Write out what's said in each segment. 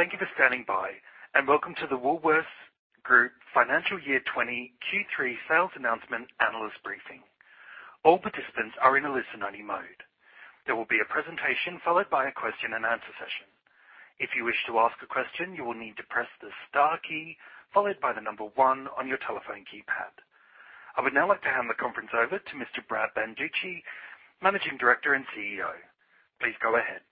Thank you for standing by, and welcome to the Woolworths Group Financial Year 2020 Q3 sales announcement analyst briefing. All participants are in a listen-only mode. There will be a presentation followed by a question-and-answer session. If you wish to ask a question, you will need to press the star key followed by the number one on your telephone keypad. I would now like to hand the conference over to Mr. Brad Banducci, Managing Director and CEO. Please go ahead.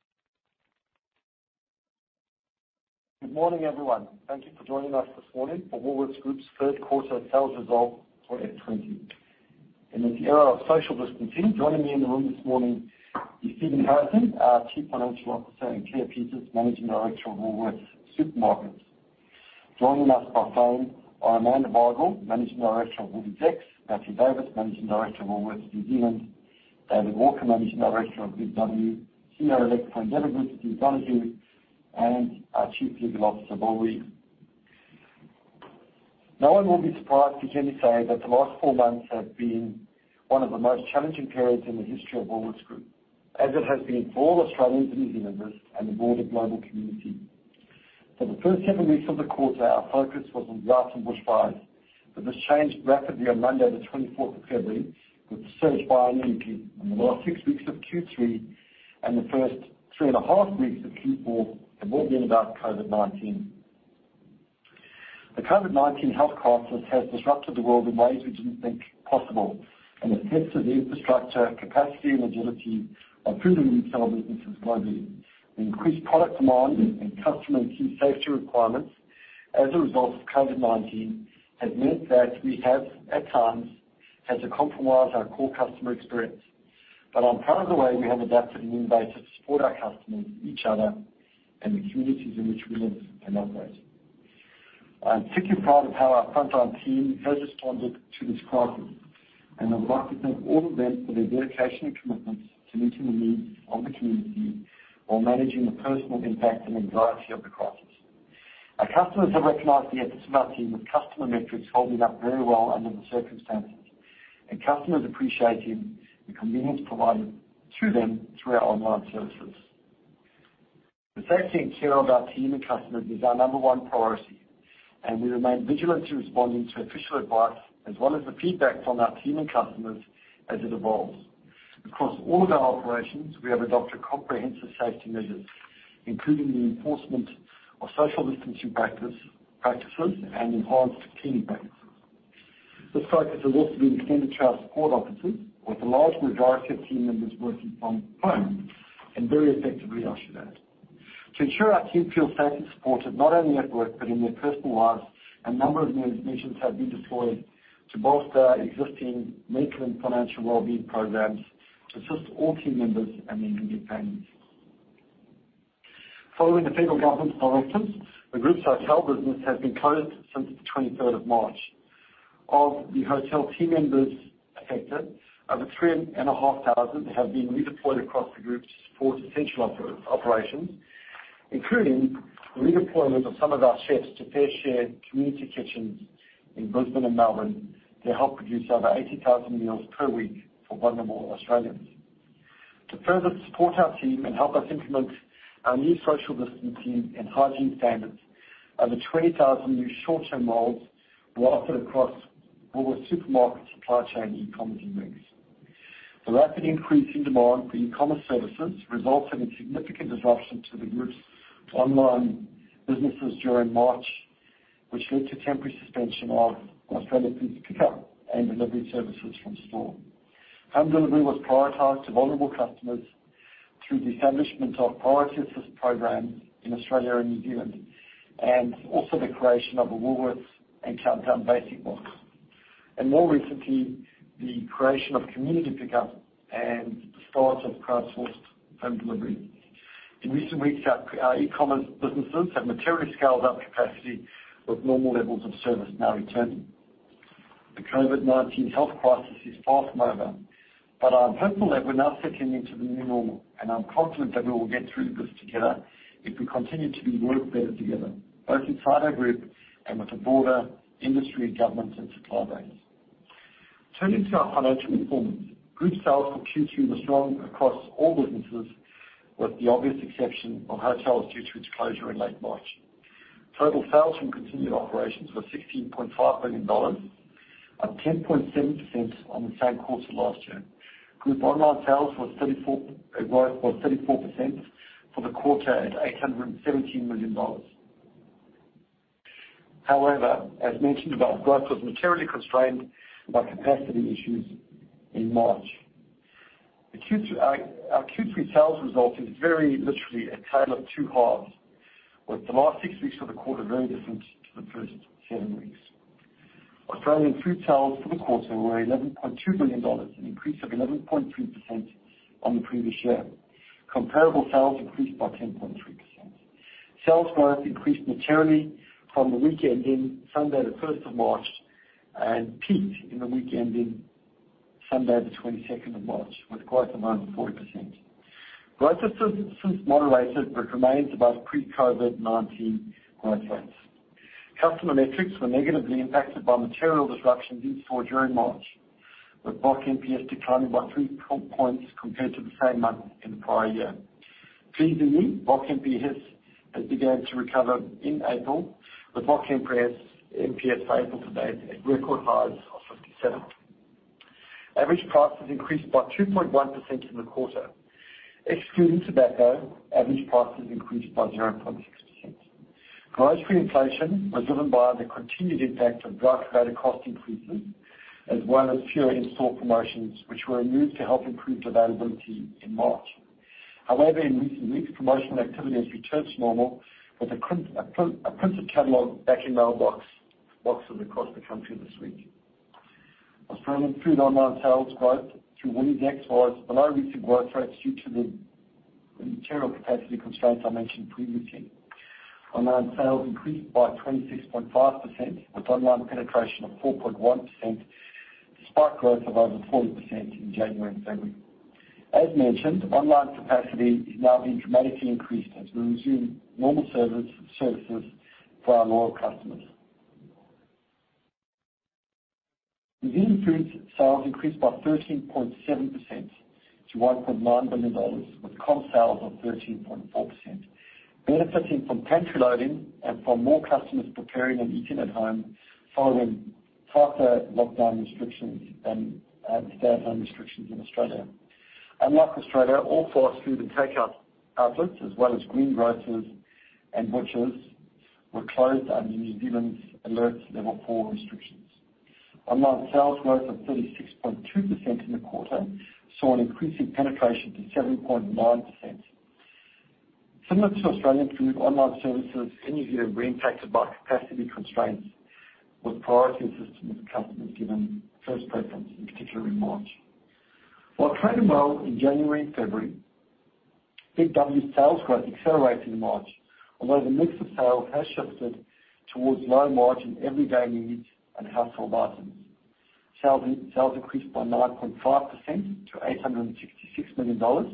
Good morning, everyone. Thank you for joining us this morning for Woolworths Group's third quarter sales result for F20. And in the era of social distancing, joining me in the room this morning is Stephen Harrison, our Chief Financial Officer, and Claire Peters, Managing Director of Woolworths Supermarkets. Joining us by phone are Amanda Bardwell, Managing Director of WooliesX; Natalie Davis, Managing Director of Woolworths New Zealand; David Walker, Managing Director of Big W; Steve Donohue, CEO of Endeavour Group, and our Chief Legal Officer, Bill Reid. No one will be surprised to hear me say that the last four months have been one of the most challenging periods in the history of Woolworths Group, as it has been for all Australians and New Zealanders and the broader global community. For the first seven weeks of the quarter, our focus was on droughts and bushfires, but this changed rapidly on Monday, the February 24th, with the surge in COVID-19. The last six weeks of Q3 and the first three and a half weeks of Q4 have all been about COVID-19. The COVID-19 health crisis has disrupted the world in ways we didn't think possible and has tested the infrastructure, capacity, and agility of food and retail businesses globally. The increased product demand and customer and key safety requirements as a result of COVID-19 has meant that we have, at times, had to compromise our core customer experience, but I'm proud of the way we have adapted and innovated to support our customers, each other, and the communities in which we live and operate. I'm particularly proud of how our frontline team has responded to this crisis, and I'd like to thank all of them for their dedication and commitment to meeting the needs of the community while managing the personal impact and anxiety of the crisis. Our customers have recognized the adversity, with customer metrics holding up very well under the circumstances, and customers appreciating the convenience provided to them through our online services. The safety and care of our team and customers is our number one priority, and we remain vigilant to responding to official advice as well as the feedback from our team and customers as it evolves. Across all of our operations, we have adopted comprehensive safety measures, including the enforcement of social distancing practices and enhanced cleaning practices. This focus has also been extended to our support offices, with a large majority of team members working from home and very effectively, I should add. To ensure our team feels safe and supported, not only at work but in their personal lives, a number of new initiatives have been deployed to bolster our existing mental and financial well-being programs to assist all team members and their immediate families. Following the federal government's guidelines, the group's hotel business has been closed since the 23rd of March. Of the hotel team members affected, over three and a half thousand have been redeployed across the group to support essential operations, including the redeployment of some of our chefs to FareShare community kitchens in Brisbane and Melbourne to help produce over eighty thousand meals per week for vulnerable Australians. To further support our team and help us implement our new social distancing and hygiene standards, over 20,000 new short-term roles were offered across Woolworths Supermarkets supply chain, e-commerce, and Drinks. The rapid increase in demand for e-commerce services resulted in significant disruption to the group's online businesses during March, which led to temporary suspension of Australian pickup and delivery services from store. Home delivery was prioritized to vulnerable customers through the establishment of Priority Assist programs in Australia and New Zealand, and also the creation of a Woolworths and Countdown Basics Box, and more recently, the creation of Community Pick up and the start of crowdsourced home delivery. In recent weeks, our e-commerce businesses have materially scaled up capacity, with normal levels of service now returning. The COVID-19 health crisis is far from over, but I'm hopeful that we're now settling into the new normal, and I'm confident that we will get through this together if we continue to work better together, both inside our group and with the broader industry, government, and supply base. Turning to our financial performance, group sales for Q2 were strong across all businesses, with the obvious exception of hotels due to its closure in late March. Total sales from continued operations were 16.5 billion dollars, up 10.7% on the same quarter last year. Group online sales was 34% a growth of 34% for the quarter at 817 million dollars. However, as mentioned, online growth was materially constrained by capacity issues in March. The Q3 sales result is very literally a tale of two halves, with the last six weeks of the quarter very different to the first seven weeks. Australian food sales for the quarter were 11.2 billion dollars, an increase of 11.3% on the previous year. Comparable sales increased by 10.3%. Sales growth increased materially from the week ending Sunday, the 1st of March, and peaked in the week ending Sunday, the 22nd of March, with growth of around 40%. Growth has since moderated, but remains above pre-COVID-19 growth rates. Customer metrics were negatively impacted by material disruptions in store during March, with VOC NPS declining by 3 points compared to the same month in the prior year. Seasonally, VOC NPS has began to recover in April, with VOC NPS, NPS for April to date at record highs of 57. Average prices increased by 2.1% in the quarter. Excluding tobacco, average prices increased by 0.6%. Growth pre-inflation was driven by the continued impact of price-related cost increases, as well as fewer in-store promotions, which were used to help improve availability in March. However, in recent weeks, promotional activity has returned to normal with a printed catalog back in mailboxes across the country this week. Australian Food online sales growth through WooliesX was below recent growth rates due to the material capacity constraints I mentioned previously. Online sales increased by 26.5%, with online penetration of 4.1%, despite growth of over 40% in January and February. As mentioned, online capacity is now being dramatically increased as we resume normal service, services for our loyal customers. New Zealand Foods sales increased by 13.7% to 1.9 billion dollars, with comp sales of 13.4%, benefiting from pantry loading and from more customers preparing and eating at home following tighter lockdown restrictions and stay-at-home restrictions in Australia. Unlike Australia, all fast food and takeout outlets, as well as greengrocers and butchers, were closed under New Zealand's Alert Level Four restrictions. Online sales growth of 36.2% in the quarter saw an increase in penetration to 7.9%. Similar to Australian Food, online services in New Zealand were impacted by capacity constraints, with priority assistance customers given first preference, in particular in March. While trading well in January and February, Big W's sales growth accelerated in March, although the mix of sales has shifted towards low margin everyday needs and household items. Sales increased by 9.5% to 866 million dollars,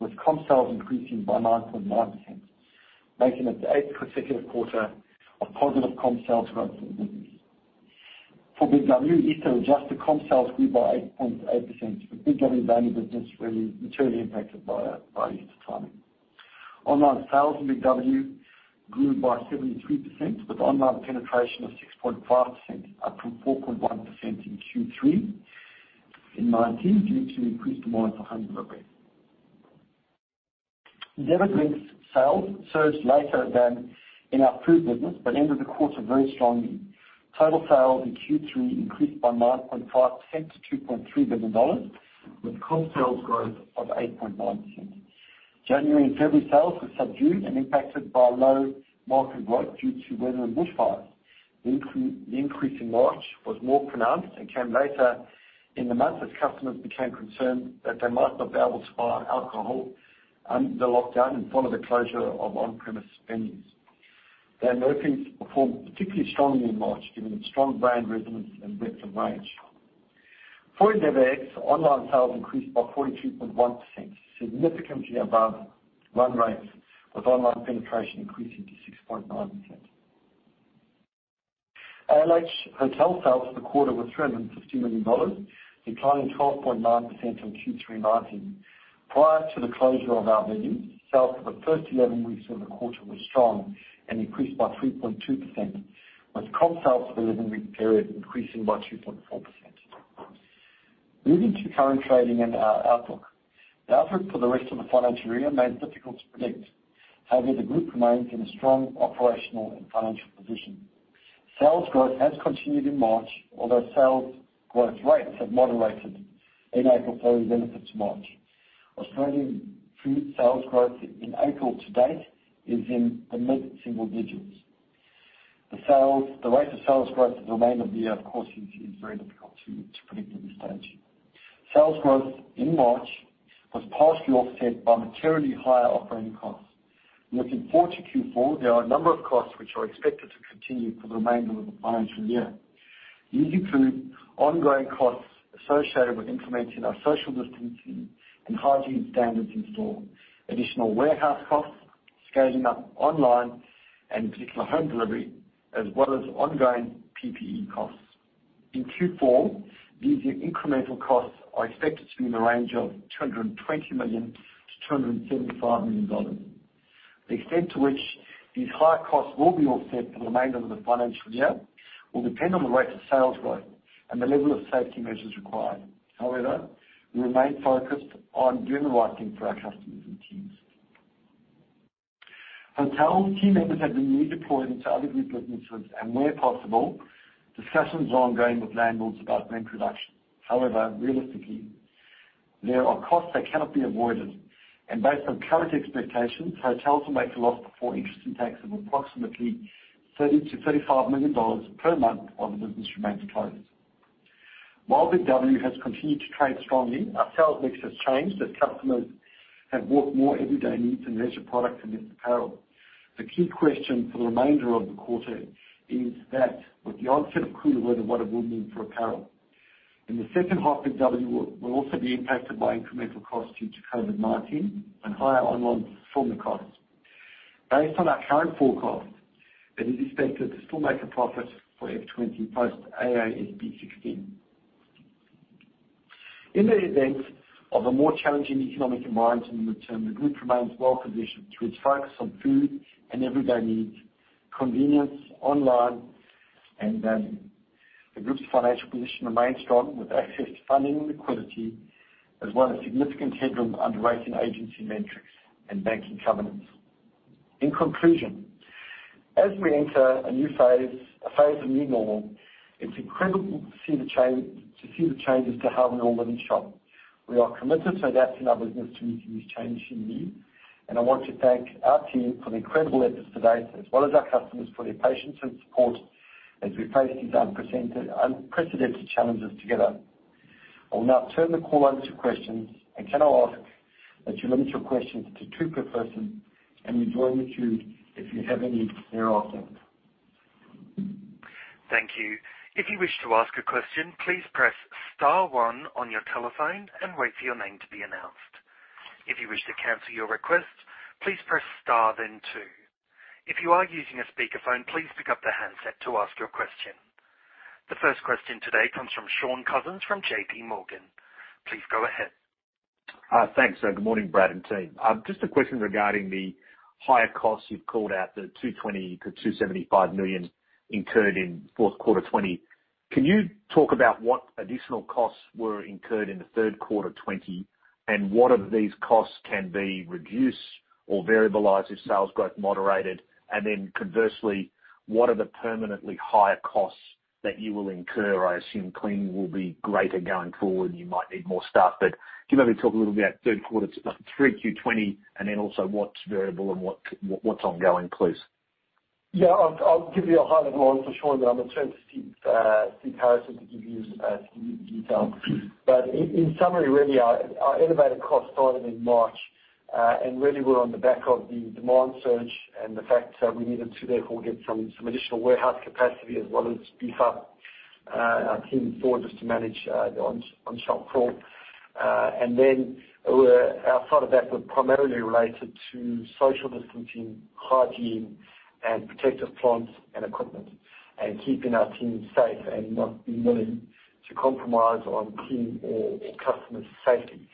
with comp sales increasing by 9.9%, making it the eighth consecutive quarter of positive comp sales growth for the business. For Big W, Easter-adjusted comp sales grew by 8.8%, with Big W daily business really materially impacted by Easter timing. Online sales in Big W grew by 73%, with online penetration of 6.5%, up from 4.1% in Q3 in 2019, due to increased demand for home delivery. Endeavour Drinks sales surged later than in our food business, but ended the quarter very strongly. Total sales in Q3 increased by 9.5% to 2.3 billion dollars, with comp sales growth of 8.9%. January and February sales were subdued and impacted by low market growth due to weather and bushfires. The increase in March was more pronounced and came later in the month as customers became concerned that they might not be able to buy alcohol under the lockdown and follow the closure of on-premise spendings. Their offerings performed particularly strongly in March, given its strong brand resonance and breadth of range. For WooliesX, online sales increased by 42.1%, significantly above run rates, with online penetration increasing to 6.9%. ALH Hotels sales for the quarter were AUD 350 million, declining 12.9% from Q3 2019. Prior to the closure of our venues, sales for the first 11 weeks of the quarter were strong and increased by 3.2%, with comp sales for the 11-week period increasing by 2.4%. Moving to current trading and our outlook. The outlook for the rest of the financial year remains difficult to predict. However, the group remains in a strong operational and financial position. Sales growth has continued in March, although sales growth rates have moderated in April to date relative to March. Australian Food sales growth in April to date is in the mid-single digits. The rate of sales growth for the remainder of the year, of course, is very difficult to predict at this stage. Sales growth in March was partially offset by materially higher operating costs. Looking forward to Q4, there are a number of costs which are expected to continue for the remainder of the financial year. These include ongoing costs associated with implementing our social distancing and hygiene standards in store, additional warehouse costs, scaling up online, and in particular, home delivery, as well as ongoing PPE costs. In Q4, these incremental costs are expected to be in the range of 220 million-275 million dollars. The extent to which these higher costs will be offset for the remainder of the financial year will depend on the rate of sales growth and the level of safety measures required. However, we remain focused on doing the right thing for our customers and teams. Hotels team members have been redeployed into other group businesses, and where possible, discussions are ongoing with landlords about rent reduction. However, realistically, there are costs that cannot be avoided, and based on current expectations, hotels will make a loss before interest and tax of approximately 30 million-35 million dollars per month while the business remains closed. While Big W has continued to trade strongly, our sales mix has changed as customers have bought more everyday needs and leisure products and apparel. The key question for the remainder of the quarter is that with the onset of cooler weather, what it will mean for apparel? In the second half of Big W will also be impacted by incremental costs due to COVID-19 and higher online fulfillment costs. Based on our current forecast, it is expected to still make a profit for FY 2020 post 16. In the event of a more challenging economic environment in the midterm, the group remains well-positioned through its focus on food and everyday needs, convenience, online, and the group's financial position remains strong, with access to funding and liquidity, as well as significant headroom under rating agency metrics and banking covenants. In conclusion, as we enter a new phase, a phase of new normal, it's incredible to see the changes to how we all live and shop. We are committed to adapting our business to meet the changing needs, and I want to thank our team for the incredible efforts to date, as well as our customers, for their patience and support as we face these unprecedented, unprecedented challenges together. I will now turn the call over to questions, and can I ask that you limit your questions to two per person, and we join the queue if you have any thereafter. Thank you. If you wish to ask a question, please press star one on your telephone and wait for your name to be announced. If you wish to cancel your request, please press star, then two. If you are using a speakerphone, please pick up the handset to ask your question. The first question today comes from Shaun Cousins from JPMorgan. Please go ahead. Thanks. Good morning, Brad and team. Just a question regarding the higher costs. You've called out the 220 million-275 million incurred in fourth quarter 2020. Can you talk about what additional costs were incurred in the third quarter 2020, and what of these costs can be reduced or variabilized if sales growth moderated? Then conversely, what are the permanently higher costs that you will incur? I assume cleaning will be greater going forward, and you might need more staff, but do you mind me talk a little about third quarter, 3Q 2020, and then also what's variable and what's ongoing, please? Yeah, I'll give you a high level answer, Shaun, but I'm going to turn to Steve Harrison to give you the detail. In summary, really, our elevated costs started in March and really were on the back of the demand surge and the fact that we needed to therefore get some additional warehouse capacity as well as beef up our team forward just to manage the on shop floor. And then we're outside of that, were primarily related to social distancing, hygiene, and protective clothes and equipment, and keeping our teams safe and not being willing to compromise on team or customer safety.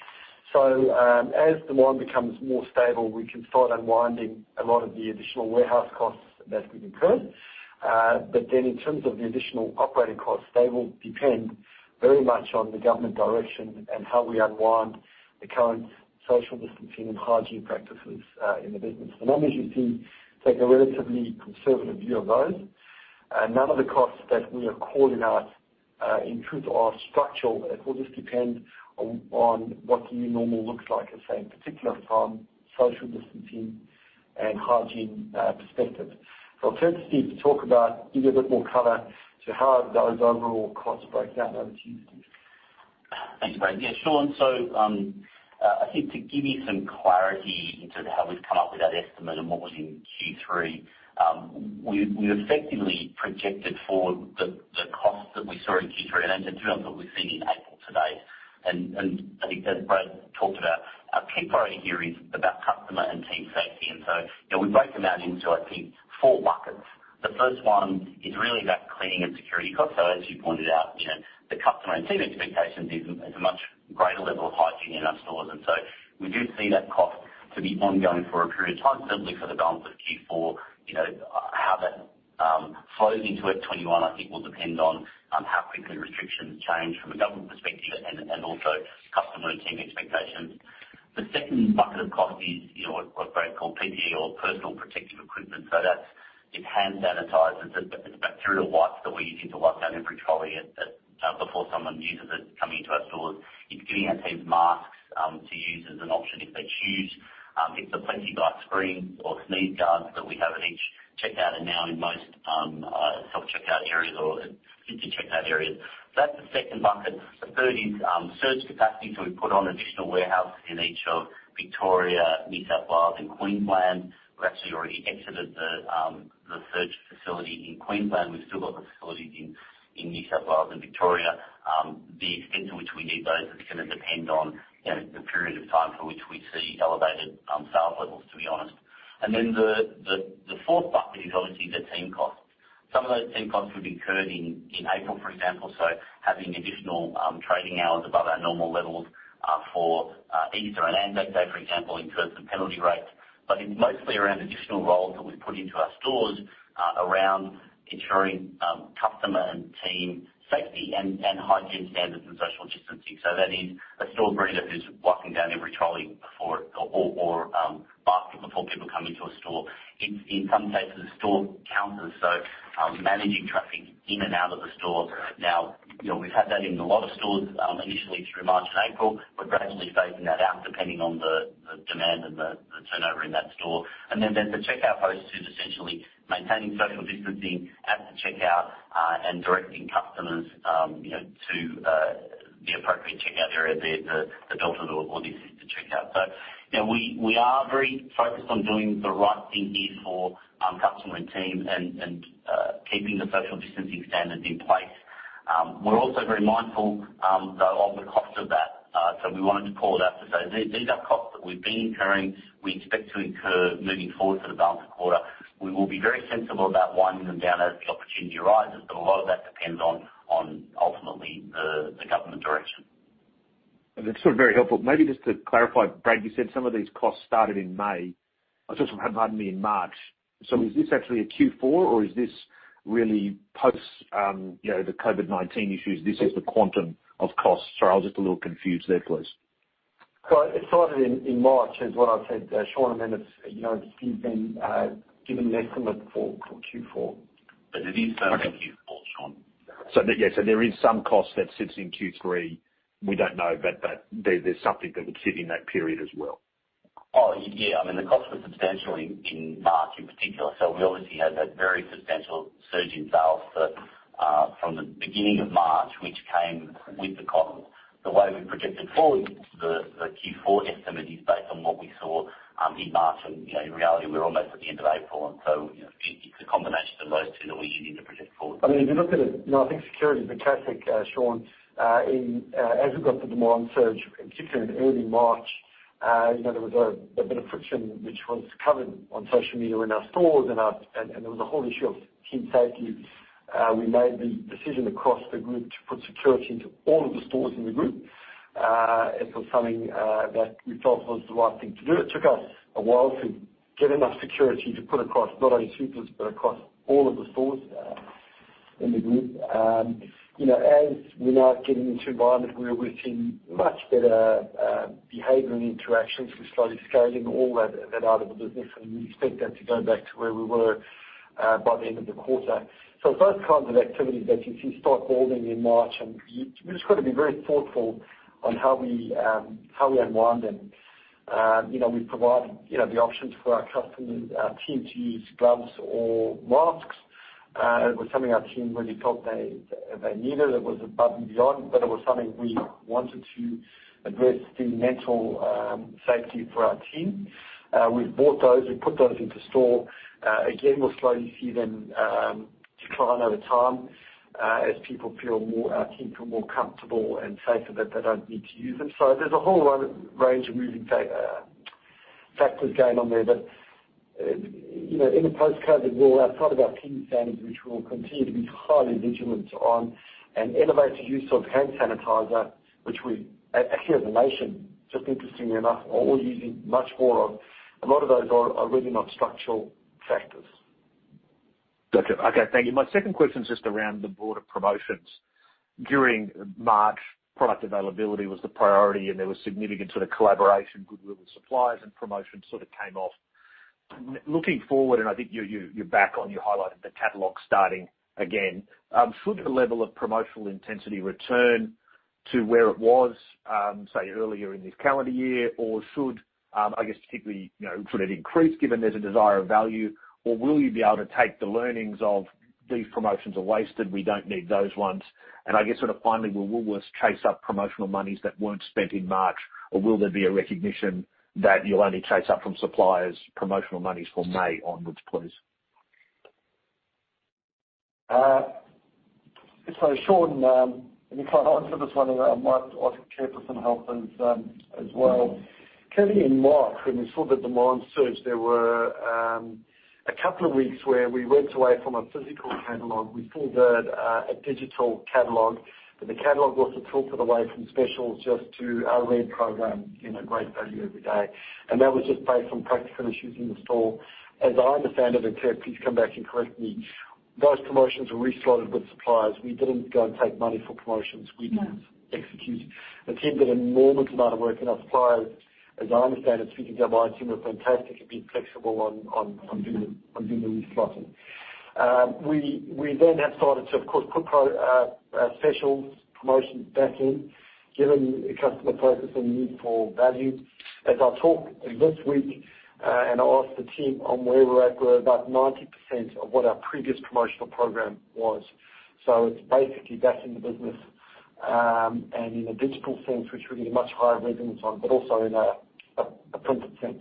As demand becomes more stable, we can start unwinding a lot of the additional warehouse costs that we've incurred. But then in terms of the additional operating costs, they will depend very much on the government direction and how we unwind the current social distancing and hygiene practices in the business. The numbers you see take a relatively conservative view of those, and none of the costs that we are calling out, in truth, are structural. It will just depend on what the new normal looks like. At the same time, social distancing and hygiene perspective. So I'll turn to Steve to talk about, give you a bit more color to how those overall costs break down. Over to you, Steve. Thank you, Brad. Yeah, Shaun, so I think to give you some clarity into how we've come up with that estimate and what was in Q3, we effectively projected forward the costs that we saw in Q3 and to an extent what we've seen in April to date. I think as Brad talked about, our key priority here is about customer and team safety. So you know, we broke them out into, I think, four buckets. The first one is really about cleaning and security costs. So as you pointed out, Shaun, the customer and team expectations is a much greater level of hygiene in our stores. So we do see that cost to be ongoing for a period of time, certainly for the balance of Q4. You know, how that flows into FY 2021, I think will depend on how quickly restrictions change from a government perspective and also customer and team expectations. The second bucket of cost is, you know, what Brad called PPE or personal protective equipment. So that's hand sanitizers, it's bacterial wipes that we're using to wipe down every trolley before someone uses it coming into our stores. It's giving our teams masks to use as an option if they choose. It's the plexiglass screens or sneeze guards that we have in each checkout, and now in most self-checkout areas or in checkout areas. That's the second bucket. The third is surge capacity. So we put on additional warehouse in each of Victoria, New South Wales and Queensland. We've actually already exited the surge facility in Queensland. We've still got the facilities in New South Wales and Victoria. The extent to which we need those is gonna depend on, you know, the period of time for which we see elevated sales levels, to be honest. And then the fourth bucket is obviously the team costs. Some of those team costs we've incurred in April, for example, so having additional trading hours above our normal levels for Easter and Anzac Day, for example, in terms of penalty rates. But it's mostly around additional roles that we've put into our stores around ensuring customer and team safety and hygiene standards and social distancing. So that is a store manager who's wiping down every trolley before or basket before people come into a store. It's in some cases, door counters, so, managing traffic in and out of the store. Now, you know, we've had that in a lot of stores, initially through March and April. We're gradually phasing that out, depending on the demand and the turnover in that store. And then the checkout hosts is essentially maintaining social distancing at the checkout, and directing customers, you know, to the appropriate checkout area, the other door. So, you know, we are very focused on doing the right thing here for our customer and team and, keeping the social distancing standards in place. We're also very mindful, though, of the cost of that, so we wanted to call it out. These are costs that we've been incurring. We expect to incur moving forward for the balance of the quarter. We will be very sensible about winding them down as the opportunity arises, but a lot of that depends on ultimately the government direction. That's sort of very helpful. Maybe just to clarify, Brad, you said some of these costs started in May, pardon me, in March. So is this actually a Q4, or is this really post, you know, the COVID-19 issues, this is the quantum of costs? Sorry, I was just a little confused there, please. So it started in March, is what I've said. Shaun, I mean, it's, you know, he's been giving an estimate for Q4. But it is Q4, Shaun. Yeah, so there is some cost that sits in Q3. We don't know, but there, there's something that would sit in that period as well. Oh, yeah. I mean, the costs were substantial in March, in particular, so we obviously had that very substantial surge in sales from the beginning of March, which came with the costs. The way we've projected forward the Q4 estimate is based on what we saw in March, and, you know, in reality, we're almost at the end of April, and so it's a combination of those two that we use in the project forward. I mean, if you look at it, you know, I think security is the classic, Shaun, in, as we got through the demand surge, particularly in early March, you know, there was a bit of friction which was covered on social media in our stores and there was a whole issue of team safety. We made the decision across the group to put security into all of the stores in the group. It was something that we felt was the right thing to do. It took us a while to get enough security to put across not only Supers but across all of the stores in the group. You know, as we're now getting into an environment where we're seeing much better behavior and interactions, we're slowly scaling all that out of the business, and we expect that to go back to where we were by the end of the quarter. So those kinds of activities that you see start building in March, and we just got to be very thoughtful on how we unwind them. You know, we provided, you know, the options for our customers, our team to use gloves or masks. It was something our team really felt they needed. It was above and beyond, but it was something we wanted to address the mental safety for our team. We've bought those, we've put those into store. Again, we'll slowly see them decline over time as people feel more, our team feel more comfortable and safer, that they don't need to use them. So there's a whole other range of moving factors going on there. But you know, in a post-COVID world, outside of our cleaning standards, which we'll continue to be highly vigilant on, and elevated use of hand sanitizer, which we actually as a nation, just interestingly enough, are all using much more of, a lot of those are really not structural factors. Gotcha. Okay, thank you. My second question is just around the broad of promotions. During March, product availability was the priority, and there was significant sort of collaboration, goodwill with suppliers, and promotions sort of came off. Looking forward, and I think you're back on, you highlighted the catalog starting again, should the level of promotional intensity return to where it was, say, earlier in this calendar year? Or should, I guess, particularly, you know, should it increase given there's a desire of value, or will you be able to take the learnings of these promotions are wasted, we don't need those ones? And I guess sort of finally, will Woolworths chase up promotional monies that weren't spent in March, or will there be a recognition that you'll only chase up from suppliers' promotional monies from May onwards, please? So Shaun, you can answer this one, and I might ask Claire for some help as well. Clearly, in March, when we saw the demand surge, there were a couple of weeks where we went away from a physical catalog. We pulled a digital catalog, but the catalog was also tilted away from specials just to our red program, you know, great value every day. And that was just based on practical issues in the store. As I understand it, and Claire, please come back and correct me, those promotions were re-slotted with suppliers. We didn't go and take money for promotions. No. We executed. The team did an enormous amount of work, and our suppliers, as I understand it, speaking to our buying team, were fantastic and being flexible on doing the re-slotting. We then have started to, of course, put promotions, specials back in, given the customer focus and need for value. As I talk this week, and I ask the team on where we're at, we're about 90% of what our previous promotional program was. So it's basically back in the business, and in a digital sense, which we get a much higher resonance on, but also in a printed sense.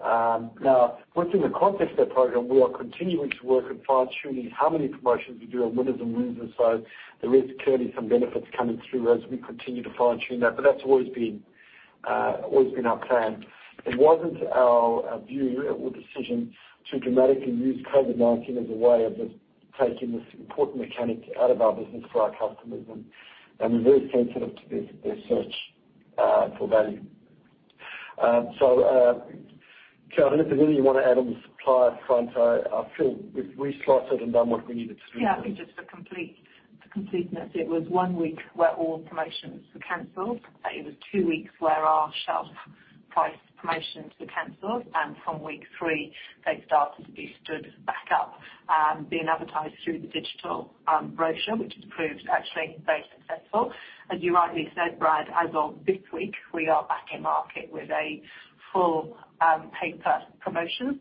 Now, within the context of that program, we are continuing to work on fine-tuning how many promotions we do on winners and losers, so there is clearly some benefits coming through as we continue to fine-tune that, but that's always been our plan. It wasn't our view or decision to dramatically use COVID-19 as a way of just taking this important mechanic out of our business for our customers, and we're very sensitive to their search for value. So, Claire, is there anything you want to add on the supplier front? I feel we've re-slotted and done what we needed to do. Yeah, I think just for completeness, it was one week where all promotions were canceled. It was two weeks where our shelf price promotions were canceled, and from week three, they started to be stood back up, being advertised through the digital brochure, which has proved actually very successful. As you rightly said, Brad, as of this week, we are back in market with a full paper promotion,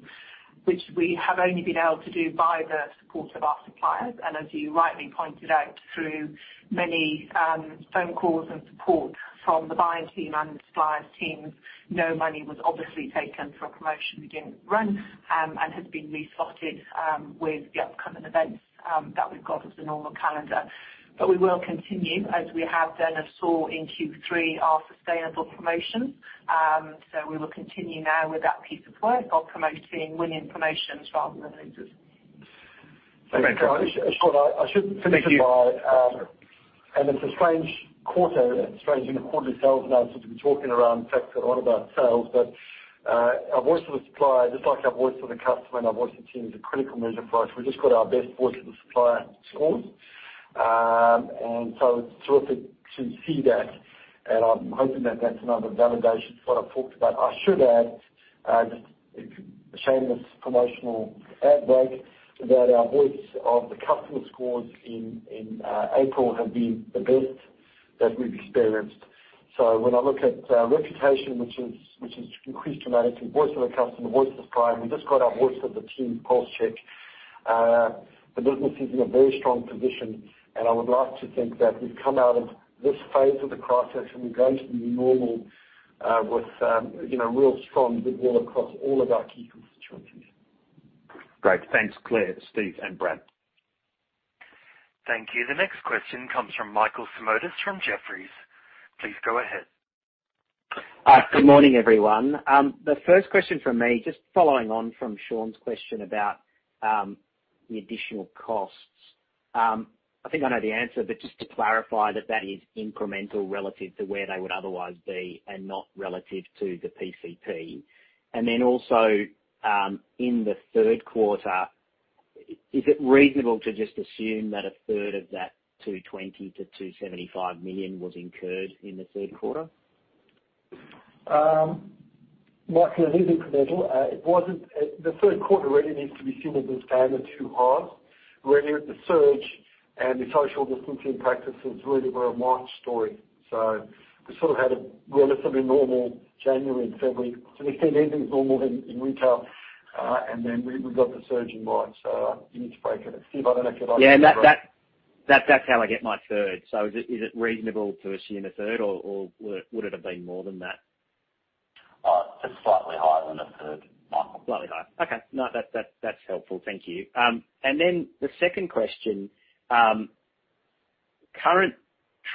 which we have only been able to do by the support of our suppliers. As you rightly pointed out, through many phone calls and support from the buying team and the suppliers team, no money was obviously taken for a promotion we didn't run, and has been re-slotted with the upcoming events that we've got as the normal calendar. But we will continue, as we have done and saw in Q3, our sustainable promotions. So we will continue now with that piece of work of promoting winning promotions rather than losers. Thank you. Shaun, I should finish it by. Thank you. It's a strange quarter, a strange quarterly sales announcement. We've been talking around fact a lot about sales, but our voice of the supplier, just like our voice of the customer and our voice of the team, is a critical measure for us. We just got our best voice of the supplier scores. It's terrific to see that, and I'm hoping that that's another validation for what I've talked about. I should add just a shameless promotional ad break, that our voice of the customer scores in April have been the best that we've experienced. When I look at reputation, which has increased dramatically, voice of the customer, voice of the supplier, we just got our voice of the team pulse check. The business is in a very strong position, and I would like to think that we've come out of this phase of the crisis, and we're going to the normal, with, you know, real strong goodwill across all of our key constituencies. Great. Thanks, Claire, Steve, and Brad. Thank you. The next question comes from Michael Simotas from Jefferies. Please go ahead. Good morning, everyone. The first question from me, just following on fromShaun's question about the additional costs. I think I know the answer, but just to clarify that that is incremental relative to where they would otherwise be and not relative to the PCP. And then also, in the third quarter, is it reasonable to just assume that a third of that 220 million-275 million was incurred in the third quarter? Michael, it is incremental. It wasn't the third quarter really needs to be seen as its own or two halves, really, with the surge and the social distancing practices really were a March story. So we sort of had a relatively normal January and February, if anything's normal in retail, and then we got the surge in March. So you need to break it. Steve, I don't know if you'd like to. Yeah, that's how I get my third. So is it reasonable to assume a third, or would it have been more than that? It's slightly higher than a third, Michael. Slightly higher. Okay. No, that, that's helpful. Thank you. And then the second question, current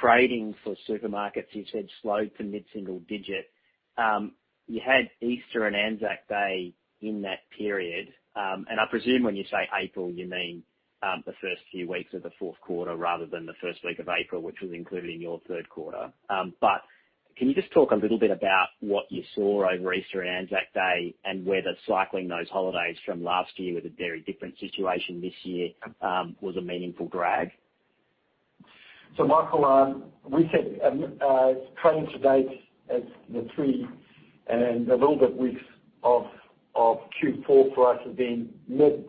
trading for supermarkets, you said slow- to mid-single-digit. You had Easter and Anzac Day in that period. And I presume when you say April, you mean the first few weeks of the fourth quarter rather than the first week of April, which was included in your third quarter. But can you just talk a little bit about what you saw over Easter and Anzac Day, and whether cycling those holidays from last year with a very different situation this year was a meaningful drag? So Michael, we said, trading to date as the three and a little bit weeks of Q4 for us have been mid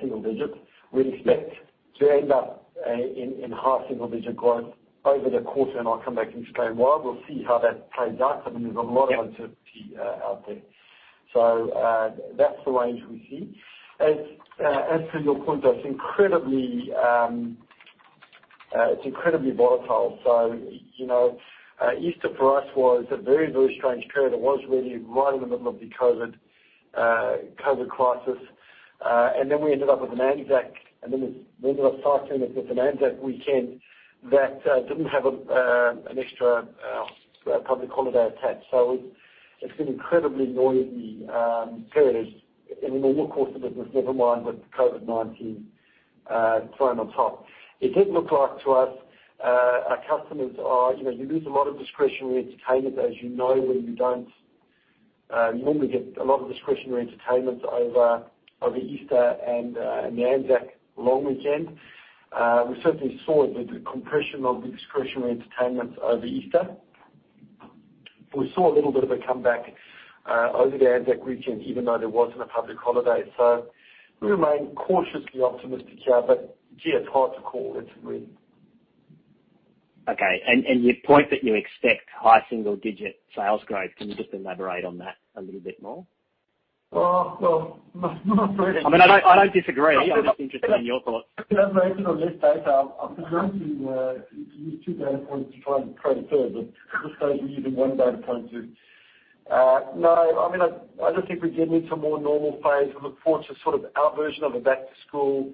single digits. We expect to end up in high single digit growth over the quarter, and I'll come back and explain why. We'll see how that plays out. I mean, there's a lot of uncertainty. Yeah Out there. So, that's the range we see. As to your point, that's incredibly, it's incredibly volatile. So, you know, Easter for us was a very, very strange period. It was really right in the middle of the COVID crisis. And then we ended up with an Anzac, and then we ended up starting with an Anzac weekend that didn't have an extra public holiday attached. So it's, it's been incredibly noisy period in a normal course of business, never mind with COVID-19 thrown on top. It did look like to us, our customers are you know, you lose a lot of discretionary entertainment, as you know, when you don't you normally get a lot of discretionary entertainment over Easter and the Anzac long weekend. We certainly saw the compression of the discretionary entertainment over Easter. We saw a little bit of a comeback over the Anzac weekend, even though there wasn't a public holiday. So we remain cautiously optimistic here, but gee, it's hard to call it, really. Okay. And your point that you expect high single-digit sales growth, can you just elaborate on that a little bit more? Well, not- I mean, I don't, I don't disagree. I'm just interested in your thoughts. Elaborate on this data. I'm going to use two data points to try and trade third, but this time we're using one data point to, no, I mean, I just think we get into a more normal phase. We look forward to sort of our version of a back to school.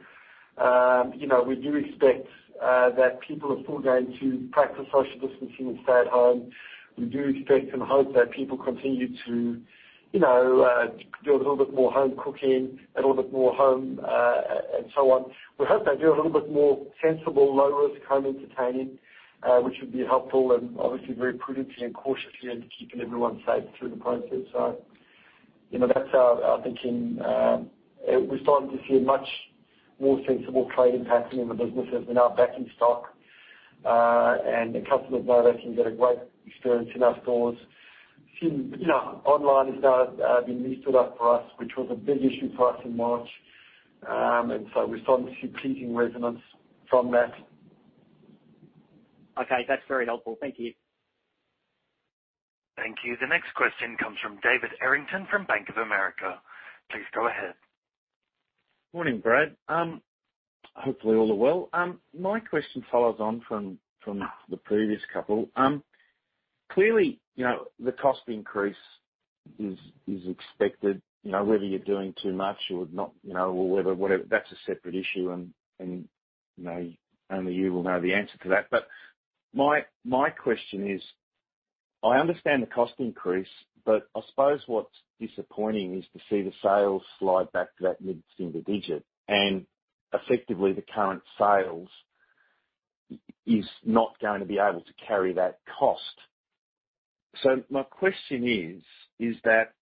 You know, we do expect that people are still going to practice social distancing and stay at home. We do expect and hope that people continue to, you know, do a little bit more home cooking, a little bit more home and so on. We hope they do a little bit more sensible, low-risk home entertaining, which would be helpful and obviously very prudently and cautiously and keeping everyone safe through the process. So, you know, that's our thinking. We're starting to see a much more sensible trade impacting in the business as we're now back in stock, and the customers know they can get a great experience in our stores. Seems, you know, online has now been restocked up for us, which was a big issue for us in March. And so we're starting to see pleasing resonance from that. Okay, that's very helpful. Thank you. Thank you. The next question comes from David Errington from Bank of America. Please go ahead. Morning, Brad. Hopefully all are well. My question follows on from the previous couple. Clearly, you know, the cost increase is expected, you know, whether you're doing too much or not, you know, or whether, whatever, that's a separate issue, and you know, only you will know the answer to that. But my question is: I understand the cost increase, but I suppose what's disappointing is to see the sales slide back to that mid-single digit, and effectively, the current sales is not going to be able to carry that cost. So my question is, is that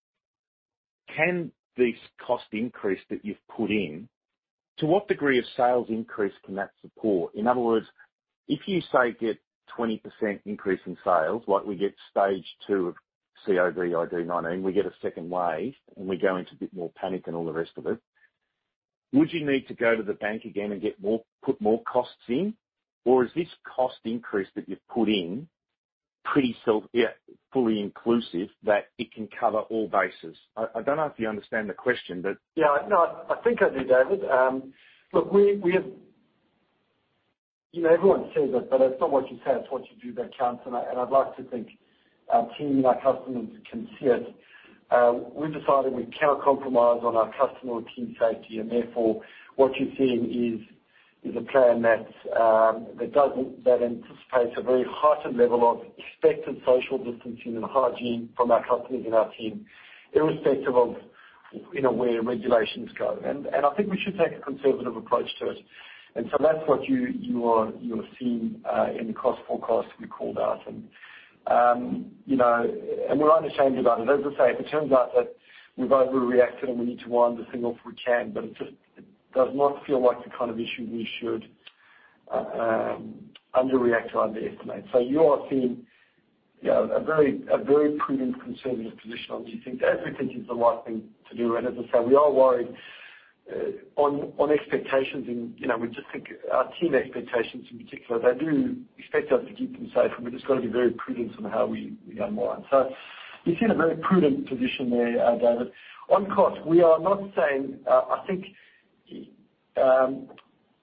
can this cost increase that you've put in, to what degree of sales increase can that support? In other words, if you, say, get 20% increase in sales, like we get stage two of COVID-19, we get a second wave, and we go into a bit more panic and all the rest of it, would you need to go to the bank again and get more put more costs in? Or is this cost increase that you've put in pretty self, fully inclusive, that it can cover all bases? I don't know if you understand the question, but Yeah, no, I think I do, David. Look, we have. You know, everyone says it, but it's not what you say, it's what you do that counts, and I'd like to think our team and our customers can see it. We've decided we cannot compromise on our customer or team safety, and therefore, what you're seeing is a plan that anticipates a very heightened level of expected social distancing and hygiene from our customers and our team, irrespective of, you know, where regulations go. And I think we should take a conservative approach to it. And so that's what you are seeing in the cost forecast we called out. You know, and we're unashamed about it. As I say, if it turns out that we've overreacted, and we need to wind this thing off, we can, but it just, it does not feel like the kind of issue we should underreact to or underestimate. So you are seeing, you know, a very prudent, conservative position on these things, as we think is the right thing to do. And as I said, we are worried on expectations and, you know, we just think our team expectations in particular, they do expect us to keep them safe, and we've just got to be very prudent on how we go forward. So you're seeing a very prudent position there, David. On cost, we are not saying. I think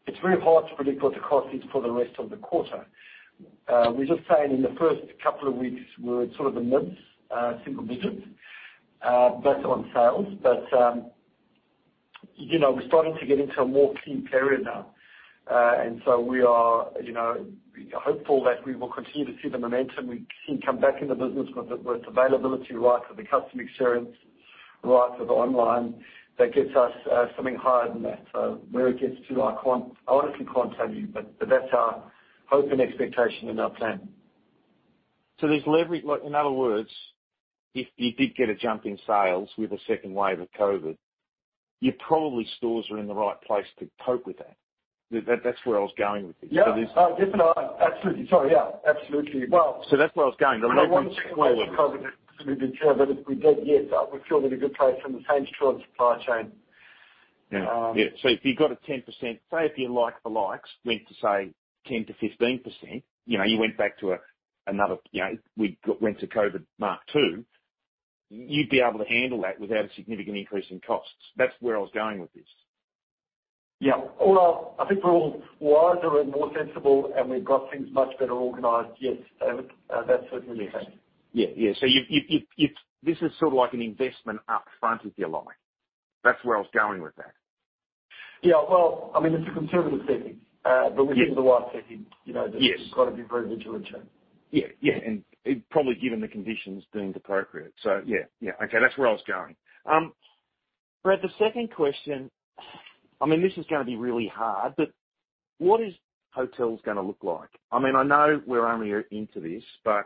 it's very hard to predict what the cost is for the rest of the quarter. We're just saying in the first couple of weeks, we're sort of in the mid single digits but on sales. But you know, we're starting to get into a more key period now. And so we are, you know, hopeful that we will continue to see the momentum we've seen come back in the business with the availability right for the customer experience, right for the online. That gets us something higher than that. So where it gets to, I can't. I honestly can't tell you, but that's our hope and expectation and our plan. So, like, in other words, if you did get a jump in sales with a second wave of COVID, your stores are probably in the right place to cope with that. That's where I was going with this. Yeah. Oh, definitely. Absolutely. Sorry, yeah, absolutely. Well. So that's where I was going. But if we did, yes, we're still in a good place from the change to our supply chain. Yeah. Yeah. So if you got a 10%, say, if you like the likes, went to, say, 10%-15%, you know, you went back to a, another, you know, we went to COVID Mark two, you'd be able to handle that without a significant increase in costs. That's where I was going with this. Yeah, well, I think we're all wiser and more sensible, and we've got things much better organized. Yes, David, that's certainly the case. Yeah. Yeah, so you this is sort of like an investment up front, if you like. That's where I was going with that. Yeah. Well, I mean, it's a conservative setting, but we think the right setting, you know- Yes. We've got to be very vigilant in. Yeah. Yeah, and probably given the conditions, deemed appropriate. So yeah, yeah. Okay, that's where I was going. Brad, the second question, I mean, this is going to be really hard, but what is hotels gonna look like? I mean, I know we're only into this, but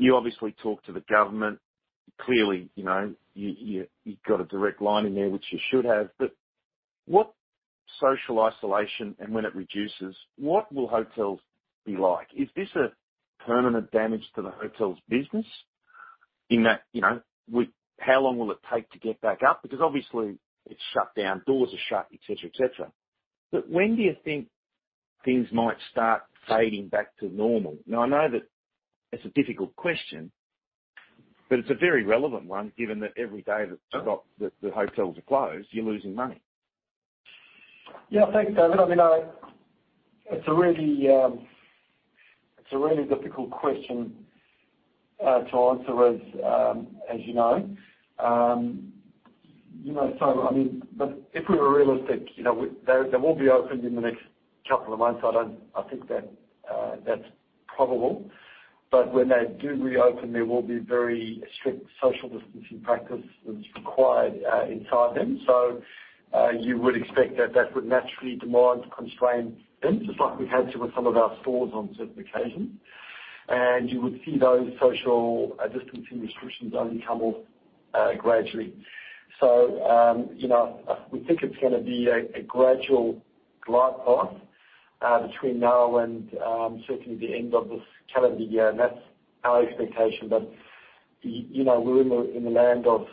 you obviously talk to the government. Clearly, you know, you got a direct line in there, which you should have. But what social isolation, and when it reduces, what will hotels be like? Is this a permanent damage to the hotels business? In that, you know, how long will it take to get back up? Because obviously, it's shut down, doors are shut, et cetera, et cetera. But when do you think things might start fading back to normal? Now, I know that it's a difficult question, but it's a very relevant one, given that every day that the hotels are closed, you're losing money. Yeah, thanks, David. I mean, It's a really difficult question to answer as you know. You know, so I mean, but if we were realistic, you know, they will be open in the next couple of months. I think that that's probable. But when they do reopen, there will be very strict social distancing practices required inside them. So, you would expect that that would naturally demand constraints on them, just like we've had to with some of our stores on certain occasions. And you would see those social distancing restrictions only come off gradually. So, you know, we think it's gonna be a gradual glide path between now and certainly the end of this calendar year, and that's our expectation. But you know, we're in the land of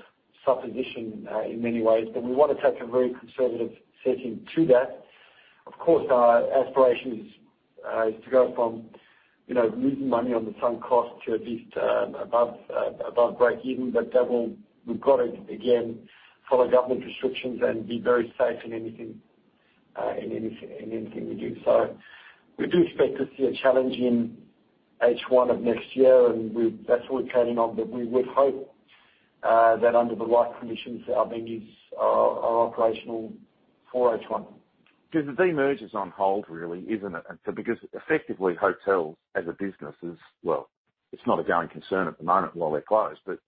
supposition in many ways, but we want to take a very conservative setting to that. Of course, our aspiration is to go from, you know, losing money on the same cost to at least above breakeven. But that will. We've got to, again, follow government restrictions and be very safe in anything we do. So we do expect to see a challenge in H1 of next year, and that's what we're planning on. But we would hope that under the right conditions, our venues are operational for H1. Because the demerger is on hold, really, isn't it? And so because effectively, hotels as a business is, well, it's not a going concern at the moment while they're closed, but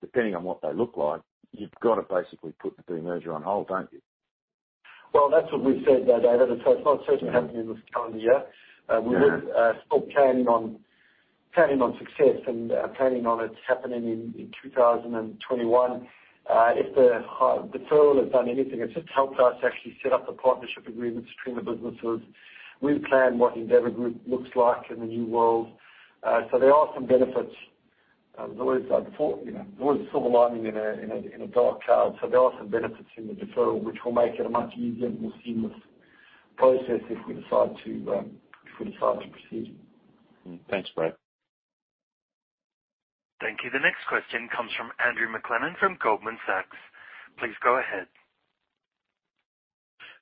depending on what they look like, you've got to basically put the demerger on hold, don't you? That's what we've said, though, David, and so it's not certainly happening in this calendar year. Yeah. We would still planning on success and planning on it happening in 2021. If the deferral has done anything, it's just helped us actually set up the partnership agreements between the businesses. We've planned what Endeavour Group looks like in the new world, so there are some benefits. There's always, before, you know, there's always a silver lining in a dark cloud, so there are some benefits in the deferral, which will make it a much easier and more seamless process if we decide to proceed. Thanks, Brad. Thank you. The next question comes from Andrew McLennan from Goldman Sachs. Please go ahead.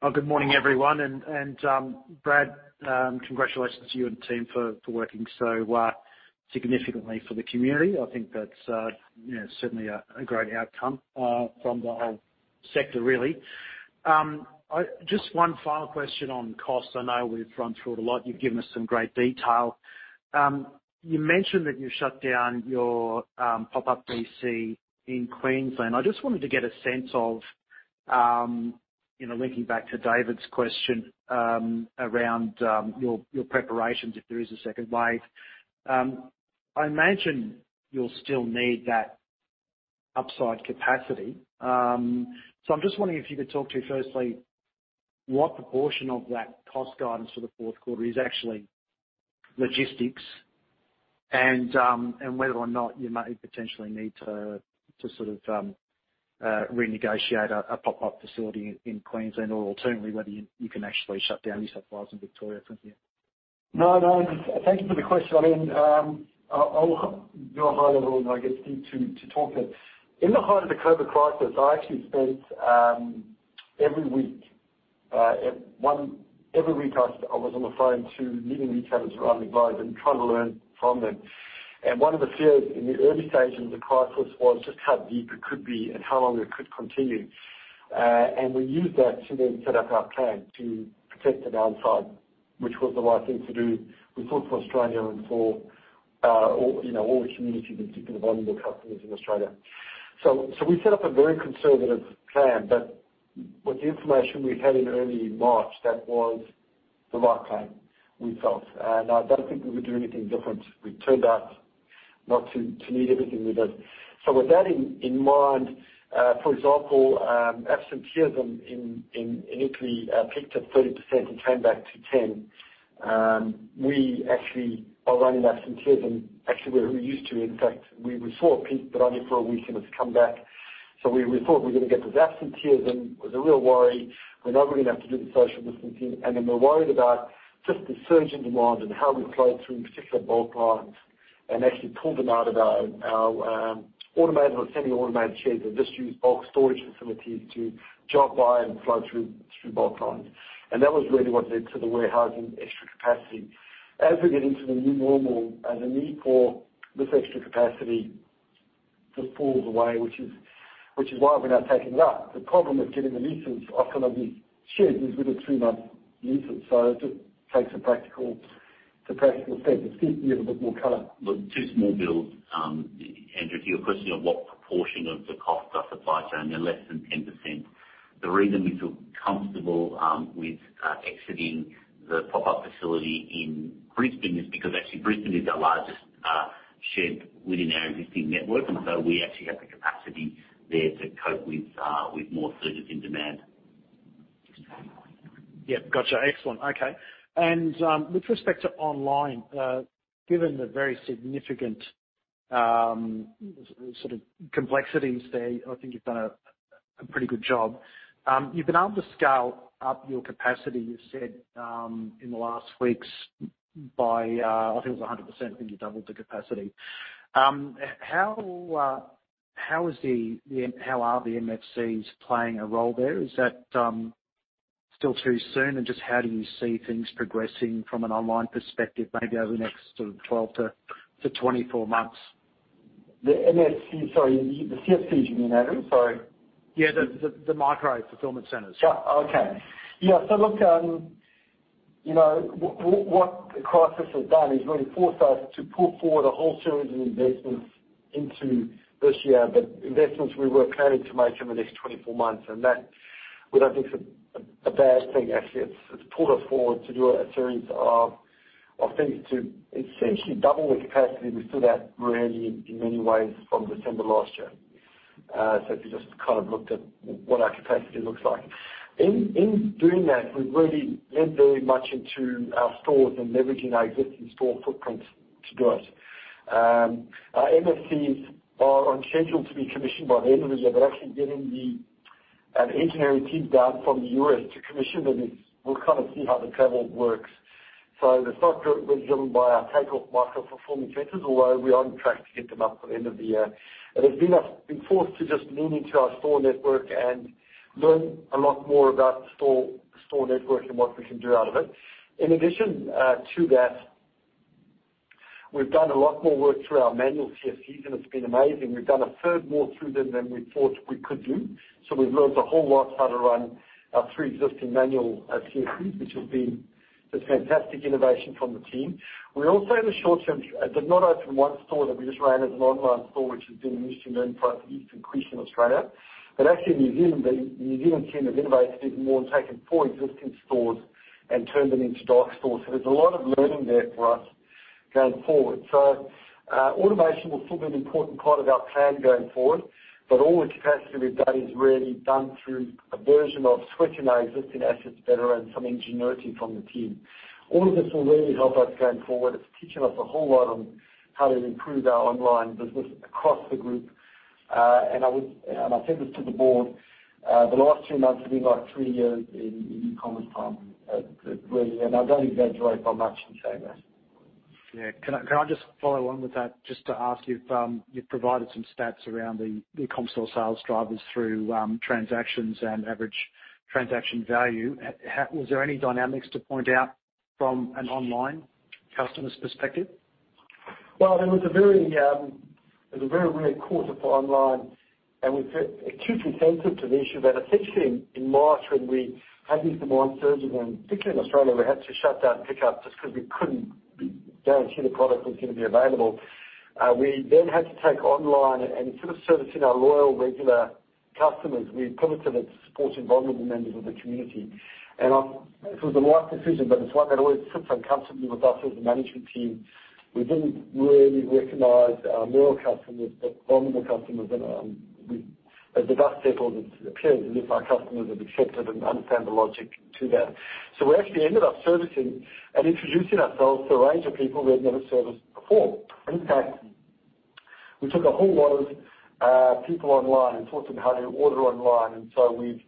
Oh, good morning, everyone. And Brad, congratulations to you and the team for working so significantly for the community. I think that's, you know, certainly a great outcome from the whole sector, really. Just one final question on costs. I know we've run through it a lot. You've given us some great detail. You mentioned that you shut down your pop-up DC in Queensland. I just wanted to get a sense of, you know, linking back to David's question, around your preparations, if there is a second wave. I imagine you'll still need that upside capacity. So I'm just wondering if you could talk to, firstly, what proportion of that cost guidance for the fourth quarter is actually logistics, and whether or not you may potentially need to sort of renegotiate a pop-up facility in Queensland, or alternatively, whether you can actually shut down these supplies in Victoria for you? No, no, thank you for the question. I mean, I'll go high level, and I'll get Steve to talk it. In the height of the COVID crisis, I actually spent every week, I was on the phone to leading retailers around the globe and trying to learn from them. And one of the fears in the early stages of the crisis was just how deep it could be and how long it could continue. And we used that to then set up our plan to protect the downside, which was the right thing to do. We thought for Australia and for all, you know, all the community, but particularly the vulnerable customers in Australia. So we set up a very conservative plan, but with the information we had in early March, that was the right plan we felt, and I don't think we would do anything different. We turned out not to need everything we did. So with that in mind, for example, absenteeism in Italy picked up 30% and came back to ten. We actually are running absenteeism actually where we're used to. In fact, we saw a peak, but only for a week, and it's come back. So we thought we're gonna get this absenteeism. It was a real worry. We're now going to have to do the social distancing, and then we're worried about just the surge in demand and how we flow through particular bulk lines and actually pulled them out of our automated or semi-automated sheds, and just use bulk storage facilities to drop by and flow through bulk lines. And that was really what led to the warehousing extra capacity. As we get into the new normal and the need for this extra capacity just falls away, which is why we're now taking it up. The problem with getting the leases off some of these sheds is with a two-month leases, so it just takes a practical step. It gives you a bit more color. Look, two small builds. Andrew, to your question of what proportion of the costs are for supply chain, they're less than 10%. The reason we feel comfortable with exiting the pop-up facility in Brisbane is because actually Brisbane is our largest shed within our existing network, and so we actually have the capacity there to cope with more surges in demand. Yeah. Gotcha. Excellent. Okay. And with respect to online, given the very significant sort of complexities there, I think you've done a pretty good job. You've been able to scale up your capacity, you've said, in the last weeks by, I think it was 100%, I think you doubled the capacity. How are the MFCs playing a role there? Is that still too soon? And just how do you see things progressing from an online perspective, maybe over the next sort of 12 to 24 months? The MFC, sorry, the CFCs, you mean, Andrew? Sorry. Yeah, the micro fulfillment centers. Yeah. Okay. Yeah, so look, you know, what the crisis has done is really forced us to pull forward a whole series of investments into this year, but investments we were planning to make over the next 24 months, and that we don't think it's a bad thing. Actually, it's pulled us forward to do a series of things to essentially double the capacity we stood at really, in many ways, from December last year. So if you just kind of looked at what our capacity looks like. In doing that, we've really leaned very much into our stores and leveraging our existing store footprint to do it. Our MFCs are on schedule to be commissioned by the end of the year. They're actually getting an engineering team down from the U.S. to commission them, and we'll kind of see how the travel works. So the stock was driven by our Takeoff micro fulfillment centers, although we are on track to get them up by the end of the year. And we've been forced to just lean into our store network and learn a lot more about the store network and what we can do out of it. In addition to that, we've done a lot more work through our manual CFCs, and it's been amazing. We've done a third more through them than we thought we could do. So we've learned a whole lot how to run our three existing manual CFCs, which has been this fantastic innovation from the team. We also, in the short term, did not open one store that we just ran as an online store, which has been an interesting learning for us, Eastlands and Queenstown, Australia. But actually, New Zealand, the New Zealand team have innovated even more and taken four existing stores and turned them into dark stores. So there's a lot of learning there for us going forward. So, automation will still be an important part of our plan going forward, but all the capacity we've done is really done through a version of switching our existing assets better and some ingenuity from the team. All of this will really help us going forward. It's teaching us a whole lot on how to improve our online business across the group. And I said this to the board, the last two months have been like three years in e-commerce time, really, and I don't exaggerate by much in saying that. Yeah. Can I, can I just follow on with that, just to ask you if you've provided some stats around the e-com store sales drivers through transactions and average transaction value. Was there any dynamics to point out from an online customer's perspective? Well, there was a very, it was a very weird quarter for online, and we've been acutely sensitive to the issue that especially in March, when we had these demand surges, and particularly in Australia, we had to shut down pickup just because we couldn't guarantee the product was going to be available. We then had to take online, and instead of servicing our loyal, regular customers, we pivoted it to supporting vulnerable members of the community. And I'm, it was the right decision, but it's one that always sits uncomfortably with us as a management team. We didn't really recognize our loyal customers, but vulnerable customers, and, at the dust settled, it appears as if our customers have accepted and understand the logic to that, so we actually ended up servicing and introducing ourselves to a range of people we had never serviced before. In fact, we took a whole lot of people online and taught them how to order online. And so we've,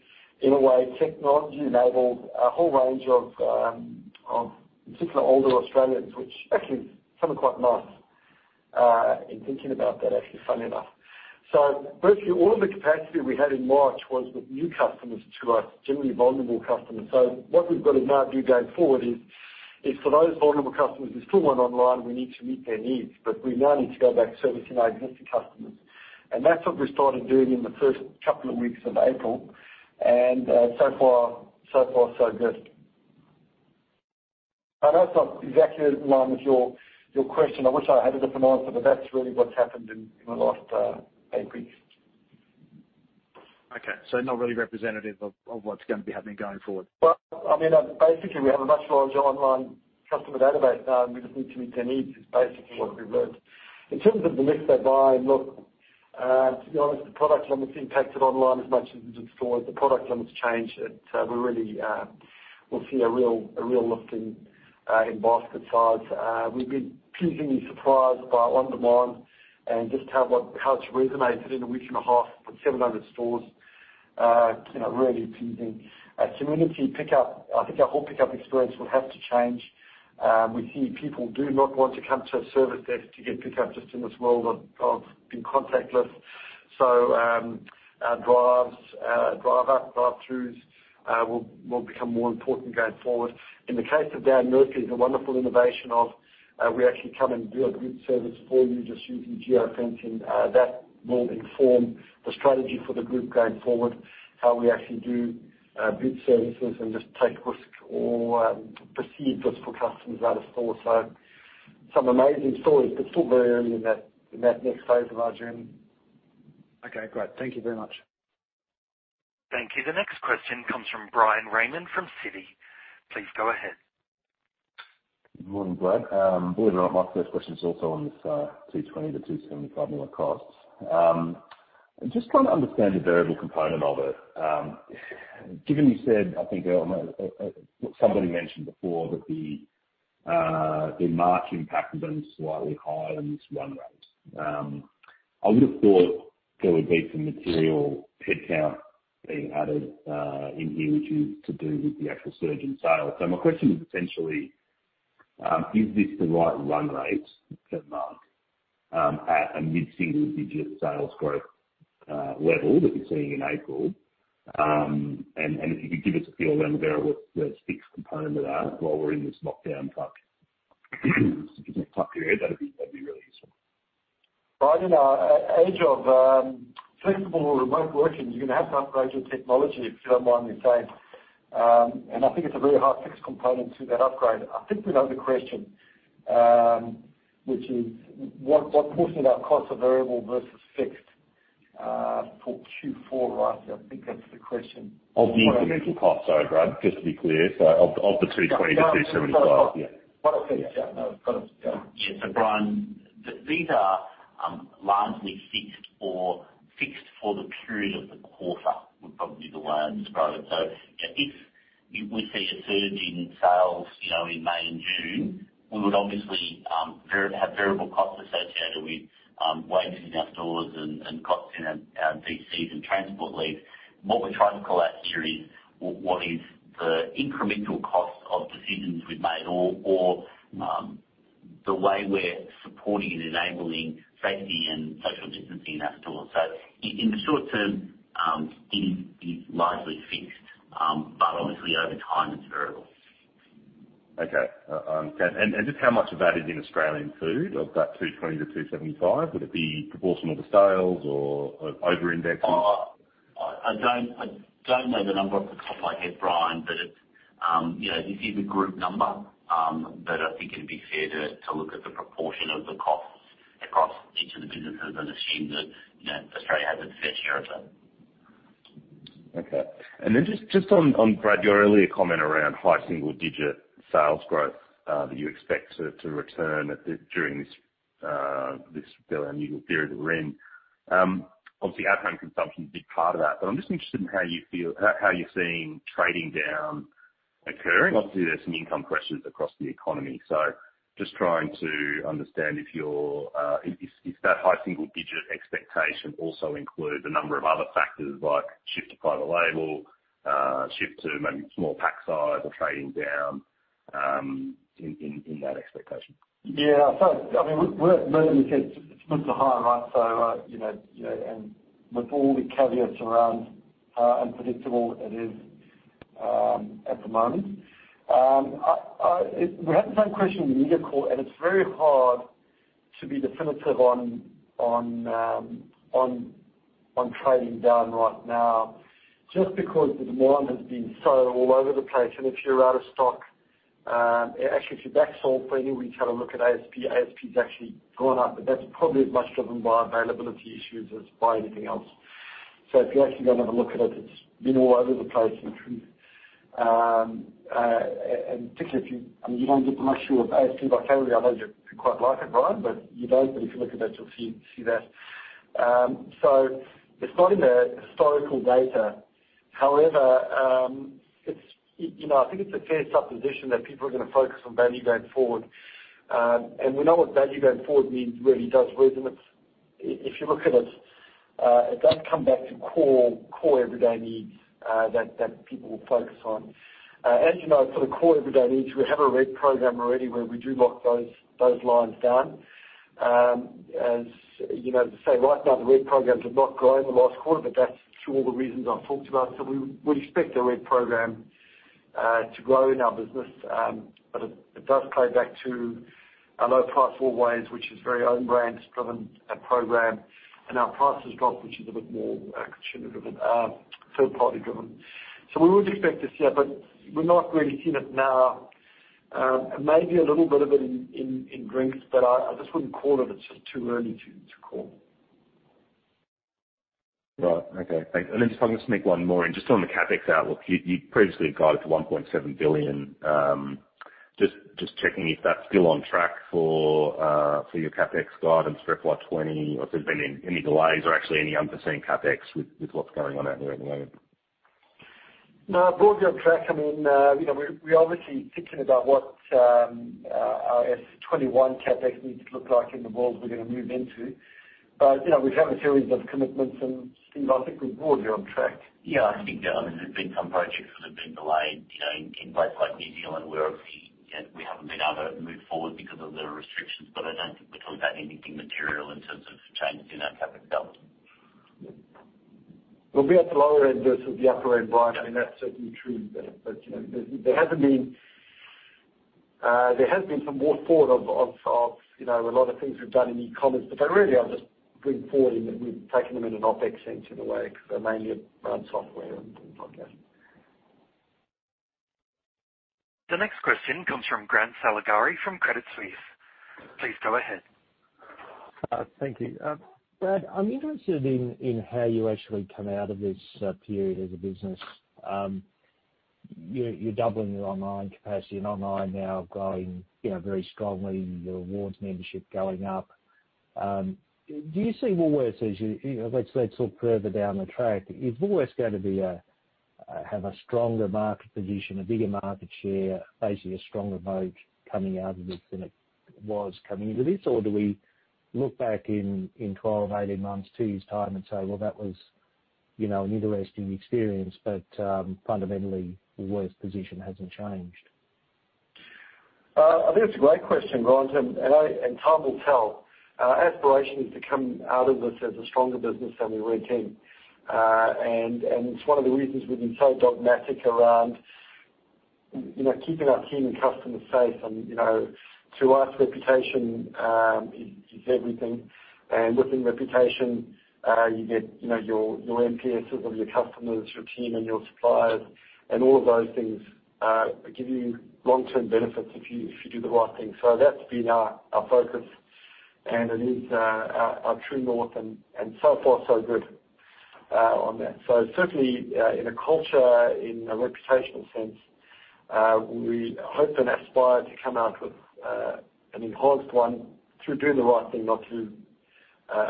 in a way, technology enabled a whole range of particular older Australians, which actually is something quite nice in thinking about that, actually, funny enough. So basically, all of the capacity we had in March was with new customers to us, generally vulnerable customers. So what we've got to now do going forward is for those vulnerable customers, they're still online, we need to meet their needs, but we now need to go back to servicing our existing customers. And that's what we started doing in the first couple of weeks of April. And so far, so good. I know it's not exactly in line with your question. I wish I had a different answer, but that's really what's happened in the last eight weeks. Okay. So not really representative of what's going to be happening going forward? I mean, basically, we have a much larger online customer database now, and we just need to meet their needs is basically what we've learned. In terms of the mix they buy, look, to be honest, the product mix impacted online as much as it did stores. The product mix changed. We really, we'll see a real lift in basket size. We've been pleasingly surprised by online and just how it's resonated in a week and a half with 700 stores, you know, really pleasing. Community Pick up, I think our whole pickup experience will have to change. We see people do not want to come to a service desk to get pickup just in this world of being contactless. Our drive-throughs will become more important going forward. In the case of Dan Murphy's, a wonderful innovation, we actually come and do a boot service for you just using geofencing. That will inform the strategy for the group going forward, how we actually do boot services and just take risk or perceived risk for customers at a store. Some amazing stories, but still very early in that next phase of our journey. Okay, great. Thank you very much. Thank you. The next question comes from Bryan Raymond from Citi. Please go ahead. Good morning, Glenn. Believe it or not, my first question is also on this 220-275 million costs. I just want to understand the variable component of it. Given you said, I think, earlier, somebody mentioned before that the March impact had been slightly higher than this run rate. I would have thought there would be some material headcount being added in here, which is to do with the actual surge in sales. So my question is essentially, is this the right run rate at March, at a mid-single digit sales growth level that you're seeing in April? And if you could give us a feel around the variable, the fixed component of that while we're in this lockdown type area, that'd be really useful. You know, age of flexible or remote working, you're gonna have to upgrade your technology, if you don't mind me saying. I think it's a very high fixed component to that upgrade. I think we know the question, which is what portion of our costs are variable versus fixed for Q4, right? I think that's the question. Of the incremental cost. Sorry, Brad, just to be clear. So of the 220 million-275 million, yeah. Okay. Yeah, no, got it. Yeah. Yeah. So Brian. But these are largely fixed or fixed for the period of the quarter, would probably be the way I'd describe it. So if we see a surge in sales, you know, in May and June, we would obviously have variable costs associated with wages in our stores and costs in our DCs and transport fleets. What we're trying to call out here is what is the incremental cost of decisions we've made or the way we're supporting and enabling safety and social distancing in our stores. So in the short term, it is largely fixed, but obviously over time, it's variable. Okay. And just how much of that is in Australian Food of that 220million-275 million? Would it be proportional to sales or over indexing? I don't know the number off the top of my head, Bryan, but it's, you know, this is a group number, but I think it'd be fair to look at the proportion of the costs across each of the businesses and assume that, you know, Australia has its fair share of it. Okay. And then just on Brad, your earlier comment around high single digit sales growth that you expect to return during this very unusual period that we're in. Obviously, out-of-home consumption is a big part of that, but I'm just interested in how you feel, how you're seeing trading down occurring. Obviously, there's some income pressures across the economy, so just trying to understand if that high single digit expectation also includes a number of other factors, like shift to private label, shift to maybe smaller pack size or trading down in that expectation? Yeah. So, I mean, we're in the sense, it's good to hire, right? So, you know, you know, and with all the caveats around unpredictable it is at the moment. We had the same question in the media call, and it's very hard to be definitive on trading down right now, just because the demand has been so all over the place, and if you're out of stock, actually, if you backsell for any week, have a look at ASP. ASP has actually gone up, but that's probably as much driven by availability issues as by anything else. So if you actually go and have a look at it, it's been all over the place and particularly if you, I mean, you don't get much of ASP by category. I know you'd quite like it, Bryan, but you don't. But if you look at it, you'll see that. So it's not in the historical data. However, it's, you know, I think it's a fair supposition that people are gonna focus on value going forward. And we know what value going forward means, really does, reason it's. If you look at it, it does come back to core everyday needs that people will focus on. And, you know, for the core everyday needs, we have a red program already where we do lock those lines down. As you know, to say right now, the red programs have not grown in the last quarter, but that's through all the reasons I've talked about. So we expect the red program to grow in our business. But it does play back to our Low Price Always, which is very own brands driven and program, and our Prices Dropped, which is a bit more consumer driven, third-party driven. So we would expect this, yeah, but we're not really seeing it now. Maybe a little bit of it in drinks, but I just wouldn't call it. It's just too early to call. Right. Okay, thanks. And then just, I'll just make one more, and just on the CapEx outlook, you previously guided for 1.7 billion. Just checking if that's still on track for your CapEx guidance for FY 2020, or if there's been any delays or actually any unforeseen CapEx with what's going on out there at the moment? No, broadly on track. I mean, you know, we're obviously thinking about what our FY 2021 CapEx needs to look like in the world we're gonna move into. But, you know, we've had a series of commitments, and Steve, I think we're broadly on track. Yeah, I think, I mean, there's been some projects that have been delayed, you know, in places like New Zealand, where we've seen. We haven't been able to move forward because of the restrictions, but I don't think we're talking about anything material in terms of changes in our CapEx outlook. We'll be at the lower end versus the upper end, Bryan. I mean, that's certainly true, but you know, there hasn't been there has been some more thought of, you know, a lot of things we've done in e-commerce, but they really are just bringing forward, and we've taken them in an OpEx sense, in a way, because they're mainly around software and like that. The next question comes from Grant Saligari from Credit Suisse. Please go ahead. Thank you. Brad, I'm interested in how you actually come out of this period as a business. You're doubling your online capacity and online now growing, you know, very strongly, your Everyday Rewards membership going up. Do you see Woolworths, you know, let's look further down the track. Is Woolworths going to have a stronger market position, a bigger market share, basically a stronger moat coming out of this than it was coming into this? Or do we look back in 12, 18 months, two years' time and say, "Well, that was, you know, an interesting experience, but fundamentally, Woolworths' position hasn't changed? I think it's a great question, Grant, and time will tell. Our aspiration is to come out of this as a stronger business than we were in, and it's one of the reasons we've been so dogmatic around, you know, keeping our team and customers safe. And, you know, to us, reputation is everything. And within reputation, you get, you know, your NPSs of your customers, your team, and your suppliers, and all of those things give you long-term benefits if you do the right thing. So that's been our focus, and it is our true north, and so far, so good on that. So certainly, in a culture, in a reputational sense, we hope and aspire to come out with an enhanced one through doing the right thing, not through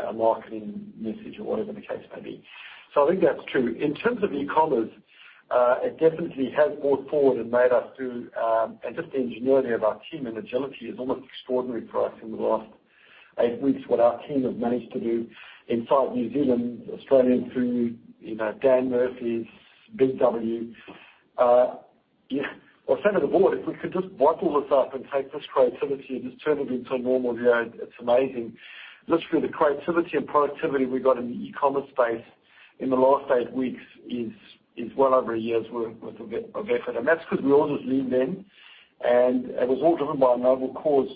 a marketing message or whatever the case may be. So I think that's true. In terms of e-commerce, it definitely has brought forward and made us do. And just the ingenuity of our team, and agility is almost extraordinary for us in the last eight weeks, what our team has managed to do inside New Zealand, Australian Food, you know, Dan Murphy, Big W. Yeah, I was saying to the board, if we could just wipe all this up and take this creativity and just turn it into a normal year, it's amazing. Just the creativity and productivity we got in the e-commerce space in the last eight weeks is well over a year's worth of effort. And that's because we all just leaned in, and it was all driven by a noble cause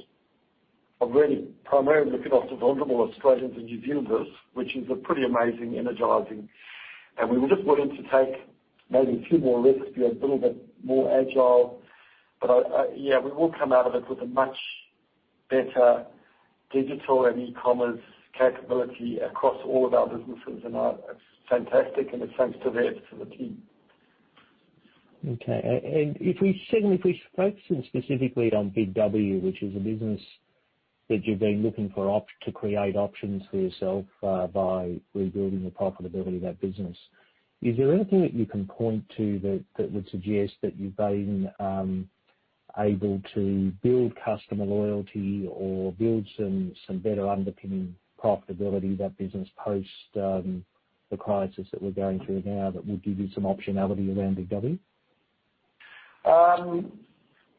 of really primarily looking after vulnerable Australians and New Zealanders, which is a pretty amazing, energizing. And we were just willing to take maybe a few more risks, be a little bit more agile. But yeah, we will come out of it with a much better digital and e-commerce capability across all of our businesses, and it's fantastic, and it's thanks to the team. Okay, and secondly, if we focus in specifically on Big W, which is a business that you've been looking for opportunities to create options for yourself, by rebuilding the profitability of that business, is there anything that you can point to that would suggest that you've been able to build customer loyalty or build some better underpinning profitability of that business post the crisis that we're going through now that would give you some optionality around Big W?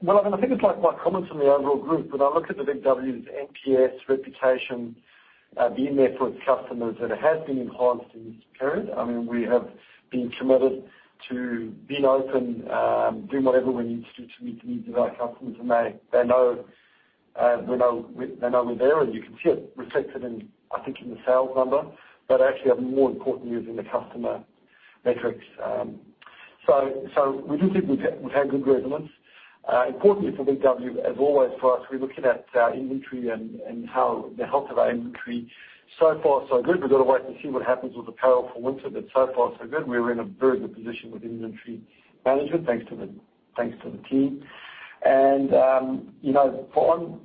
Well, I mean, I think it's like my comments on the overall group, when I look at the Big W's NPS reputation, being there for its customers, that it has been enhanced in this period. I mean, we have been committed to being open, doing whatever we need to do to meet the needs of our customers, and they know we're there, and you can see it reflected in, I think, in the sales number, but actually a more important use in the customer metrics. So we do think we've had good resonance. Importantly for Big W, as always for us, we're looking at our inventory and how the health of our inventory. So far, so good. We've got to wait and see what happens with the powerful winter, but so far, so good. We're in a very good position with inventory management, thanks to the team, and you know,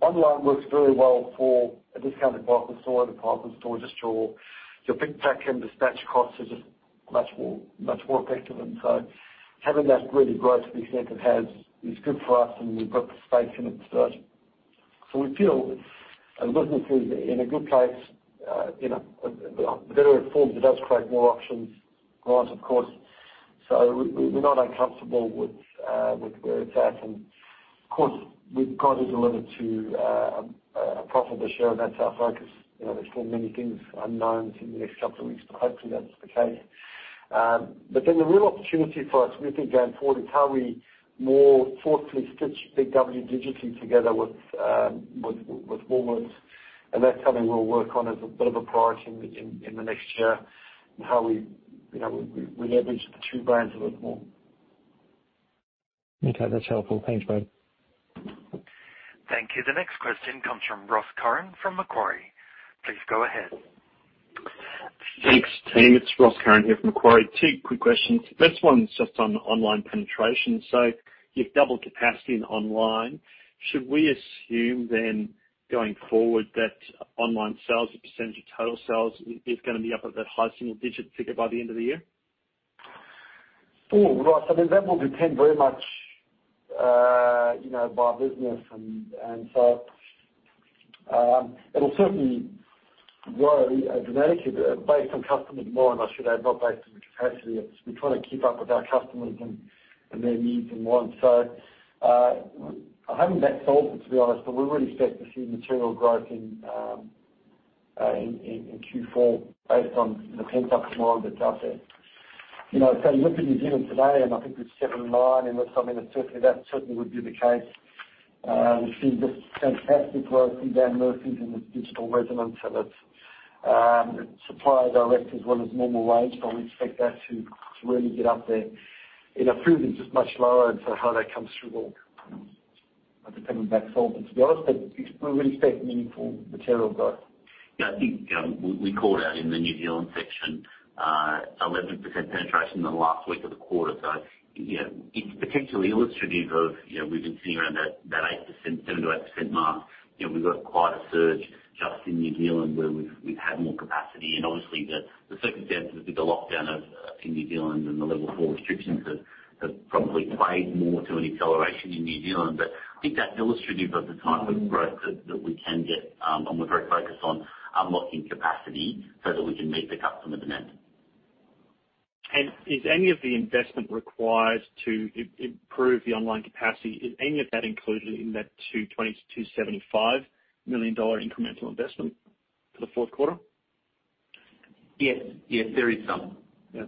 online works very well for a discounted department store. In the department store, just your pick, pack, and dispatch costs are just much more effective, and so having that really grow to the extent it has is good for us, and we've got the space in it, so we feel the business is in a good place, in a better form. It does create more options for us, of course, so we're not uncomfortable with where it's at, and of course, we've got to deliver a profit this year, and that's our focus. You know, there's still many things unknown for the next couple of weeks, but hopefully that's the case. But then the real opportunity for us, we think, going forward, is how we more thoughtfully stitch Big W digitally together with Woolworths, and that's something we'll work on as a bit of a priority in the next year, and how we, you know, we leverage the two brands a little more. Okay, that's helpful. Thanks, Brad. Thank you. The next question comes from Ross Curran from Macquarie. Please go ahead. Thanks, team. It's Ross Curran here from Macquarie. Two quick questions. First one's just on online penetration. So you've doubled capacity in online. Should we assume then, going forward, that online sales, as a percentage of total sales, is gonna be up at that high single digit figure by the end of the year? Oh, right. I mean, that will depend very much, you know, by business and so. It'll certainly grow dramatically based on customer demand, I should add, not based on the capacity. It's. We're trying to keep up with our customers and their needs and wants. So, I haven't back-solved it, to be honest, but we really expect to see material growth in Q4 based on the pent-up demand that's out there. You know, so you look at New Zealand today, and I think it's 79%, and look, I mean, that certainly would be the case. We've seen just fantastic growth through Dan Murphy's and the digital presence, and it's supplier direct as well as normal rates, but we expect that to really get up there. You know, food is just much lower, and so how that comes through will depend on that solve, to be honest, but we really expect meaningful material growth. Yeah, I think, we called out in the New Zealand section, 11% penetration in the last week of the quarter. So, you know, it's potentially illustrative of, you know, we've been sitting around that 8%, 7% to 8% mark. You know, we've got quite a surge just in New Zealand, where we've had more capacity, and obviously, the circumstances with the lockdown in New Zealand and the level four restrictions have probably played more to an acceleration in New Zealand. But I think that's illustrative of the type of growth that we can get, and we're very focused on unlocking capacity so that we can meet the customer demand. Is any of the investment required to improve the online capacity, is any of that included in that 227.5 million dollar incremental investment for the fourth quarter? Yes. Yes, there is some. Yeah.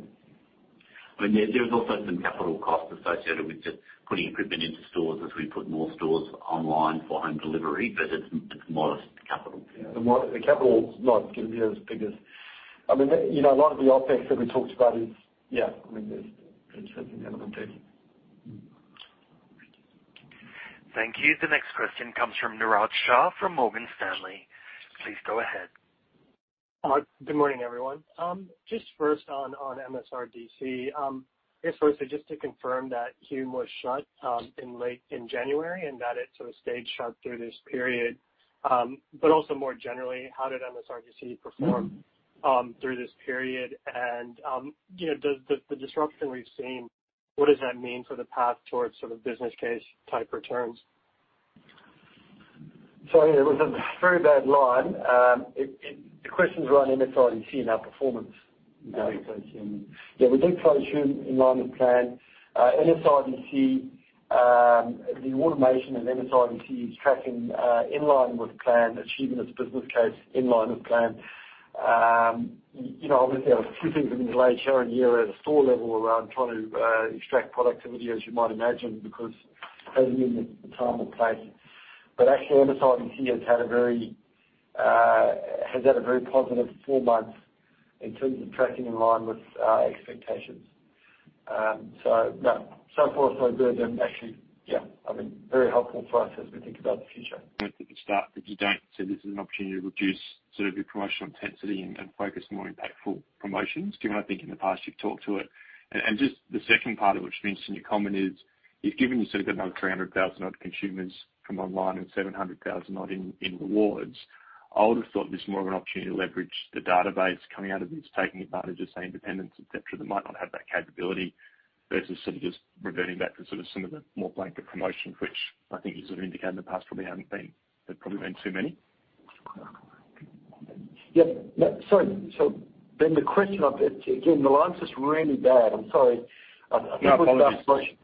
I mean, there is also some capital costs associated with just putting equipment into stores as we put more stores online for home delivery, but it's modest capital. Yeah, the capital's not gonna be as big as I mean, you know, a lot of the OpEx that we talked about is, yeah, I mean, there's an element there. Thank you. The next question comes from Niraj Shah from Morgan Stanley. Please go ahead. Good morning, everyone. Just first on MSRDC, I guess firstly just to confirm that Hume was shut in late January, and that it sort of stayed shut through this period. But also more generally, how did MSRDC perform through this period? And you know, the disruption we've seen, what does that mean for the path towards sort of business case type returns? Sorry, there was a very bad line. The questions were on MSRDC and our performance. Yeah, MSRDC. Yeah, we did close Hume in line with plan. MSRDC, the automation in MSRDC is tracking in line with plan, achieving its business case in line with plan. You know, obviously, a few things have been delayed here and there at a store level around trying to extract productivity, as you might imagine, because it hasn't been the time or place. But actually, MSRDC has had a very positive four months in terms of tracking in line with our expectations. So no, so far, so good, and actually, yeah, I mean, very helpful for us as we think about the future. At the start, if you don't, so this is an opportunity to reduce sort of your promotional intensity and focus more impactful promotions, given I think in the past you've talked to it. And just the second part of which is interesting in your comment is, given you've sort of got another 300,000-odd consumers from online and 700,000-odd in rewards, I would've thought this is more of an opportunity to leverage the database coming out of this, taking advantage of say independents, et cetera, that might not have that capability, versus sort of just reverting back to sort of some of the more blanket promotions, which I think you sort of indicated in the past probably haven't been. There probably have been too many? Yeah. No, sorry. So then the question I've, again, the line's just really bad. I'm sorry. No, apologies.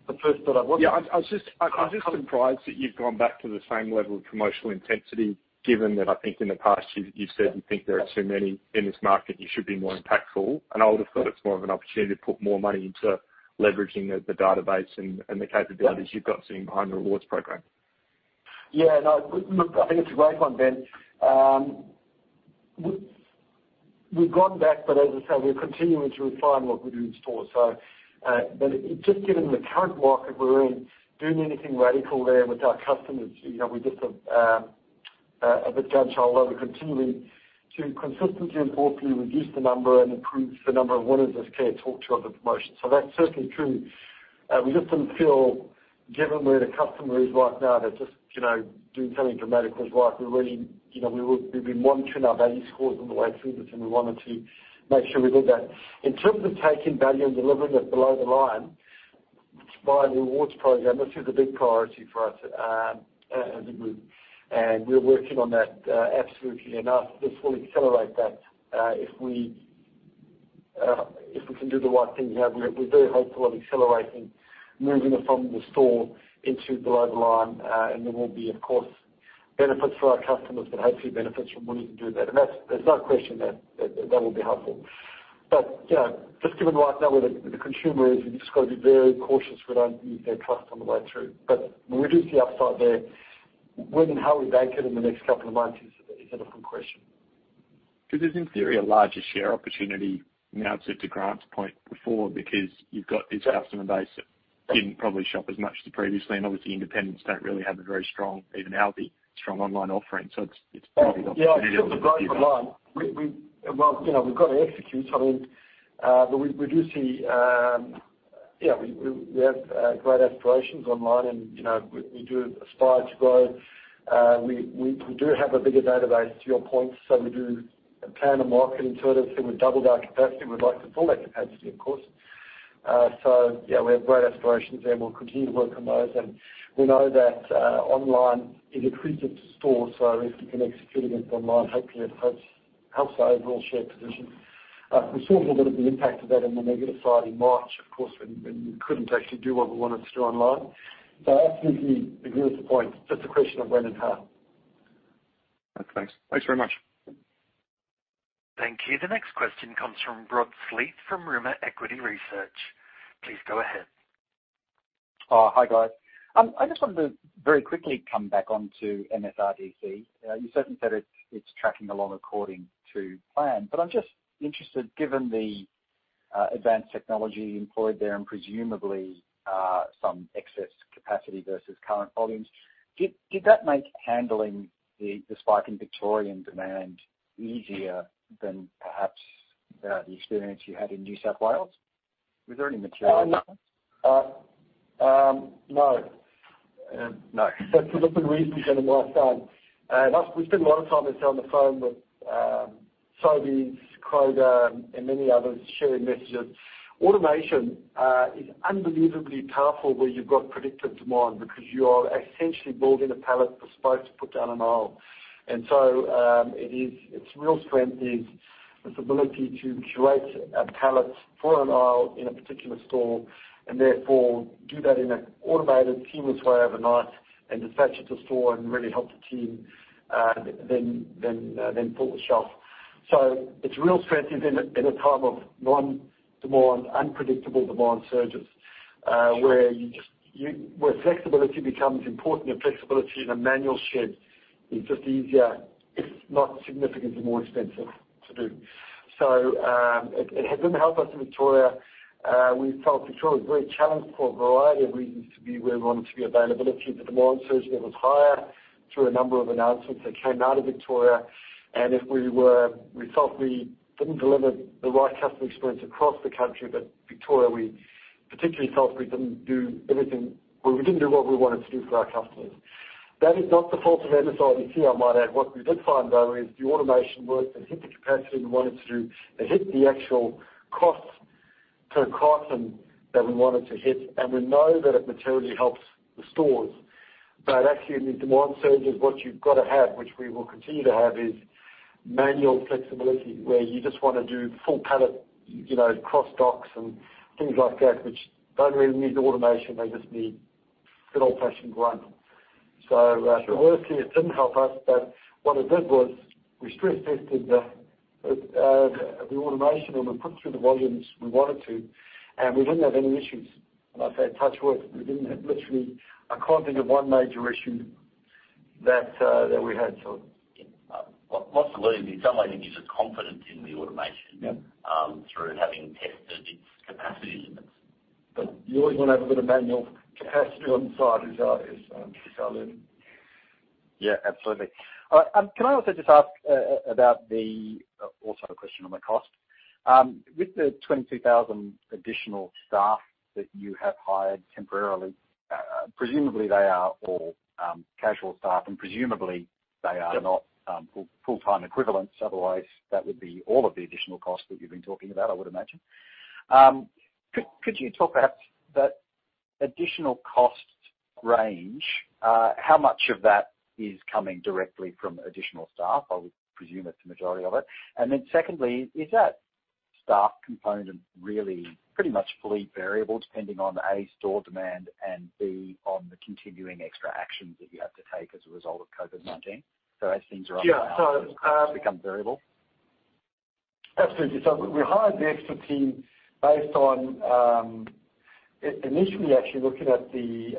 The first thought I wasn't. Yeah, I was just, I'm just surprised that you've gone back to the same level of promotional intensity, given that I think in the past you've said you think there are too many in this market, you should be more impactful. And I would've thought it's more of an opportunity to put more money into leveraging the database and the capabilities you've got sitting behind the rewards program. Yeah, no, look, I think it's a great one, Ben. We've gone back, but as I said, we're continuing to refine what we do in store. So, but just given the current market we're in, doing anything radical there with our customers, you know, we just have a bit gun shy, although we're continuing to consistently and thoughtfully reduce the number and improve the number of one-off scattershot promotions. So that's certainly true. We just didn't feel, given where the customer is right now, that just, you know, doing something dramatic was right. We really, you know, we've been monitoring our value scores all the way through this, and we wanted to make sure we did that. In terms of taking value and delivering it below the line, via the rewards program, this is a big priority for us, as a group, and we're working on that, absolutely, and this will accelerate that, if we, if we can do the right thing. You know, we're very hopeful of accelerating, moving it from the store into below the line. And there will be, of course, benefits for our customers, but hopefully benefits from wanting to do that. That's. There's no question that that will be helpful. You know, just given right now where the consumer is, we've just got to be very cautious we don't lose their trust on the way through. We do see upside there. When and how we bank it in the next couple of months is an open question. Because there's, in theory, a larger share opportunity now, to Grant's point before, because you've got this customer base that didn't probably shop as much as previously, and obviously independents don't really have a very strong, even now, the strong online offering. So it's, it's- Yeah, online. Well, you know, we've got to execute. I mean, but we do see yeah, we have great aspirations online, and, you know, we do aspire to grow. We do have a bigger database, to your point, so we do plan to market into it. I think we've doubled our capacity. We'd like to fill that capacity, of course. So yeah, we have great aspirations there, and we'll continue to work on those. And we know that online is accretive to store, so if we can execute against online, hopefully it helps our overall share position. We saw a little bit of the impact of that on the negative side in March, of course, when we couldn't actually do what we wanted to do online. So I absolutely agree with the point. Just a question of when and how. Okay, thanks. Thanks very much. Thank you. The next question comes from Rod Sleat, from Rimor Equity Research. Please go ahead. Hi, guys. I just wanted to very quickly come back onto MSRDC. You certainly said it's tracking along according to plan, but I'm just interested, given the advanced technology employed there and presumably some excess capacity versus current volumes, did that make handling the spike in Victorian demand easier than perhaps the experience you had in New South Wales? Was there any material? No. No. For lots of reasons, and I've done. We spent a lot of time this on the phone with Sobeys, Kroger, and many others, sharing messages. Automation is unbelievably powerful where you've got predictive demand, because you are essentially building a pallet that's supposed to put down an aisle. So, it is. Its real strength is its ability to curate a pallet for an aisle in a particular store, and therefore do that in an automated, seamless way overnight and dispatch it to store and really help the team then fill the shelf. So its real strength is in a time of non-demand, unpredictable demand surges, where flexibility becomes important, and flexibility in a manual shed is just easier, if not significantly more expensive to do. It hasn't helped us in Victoria. We felt Victoria was very challenged for a variety of reasons to be where we wanted to be, availability, the demand surge there was higher through a number of announcements that came out of Victoria. We felt we didn't deliver the right customer experience across the country, but Victoria, we particularly felt we didn't do everything. Well, we didn't do what we wanted to do for our customers. That is not the fault of MSRDC, I might add. What we did find, though, is the automation worked. It hit the capacity we wanted it to do. It hit the actual cost per carton that we wanted to hit, and we know that it materially helps the stores. But actually, what you've got to have in the demand surge, which we will continue to have, is manual flexibility, where you just want to do full pallet, you know, cross docks and things like that, which don't really need automation. They just need good old-fashioned grunt. So, clearly, it didn't help us, but what it did was we stress tested the automation, and we put through the volumes we wanted to, and we didn't have any issues. And I say, touch wood, we didn't have literally a scintilla of one major issue that we had, so. Yeah. Well, lots to learn. In some ways, it gives us confidence in the automation- Yep. Through having tested its capacity limits. But you always want to have a bit of manual capacity on the side, as I learned. Yeah, absolutely. All right, can I also just ask about the, also, a question on the cost. With the 22,000 additional staff that you have hired temporarily, presumably they are all casual staff, and presumably they are not- Yep. full-time equivalents. Otherwise, that would be all of the additional costs that you've been talking about, I would imagine. Could you talk about that additional cost range? How much of that is coming directly from additional staff? I would presume it's the majority of it. And then secondly, is that staff component really pretty much fully variable, depending on, A, store demand, and B, on the continuing extra actions that you have to take as a result of COVID-19? So as things are up- Yeah, so. Become variable. Absolutely. So we hired the extra team based on initially actually looking at the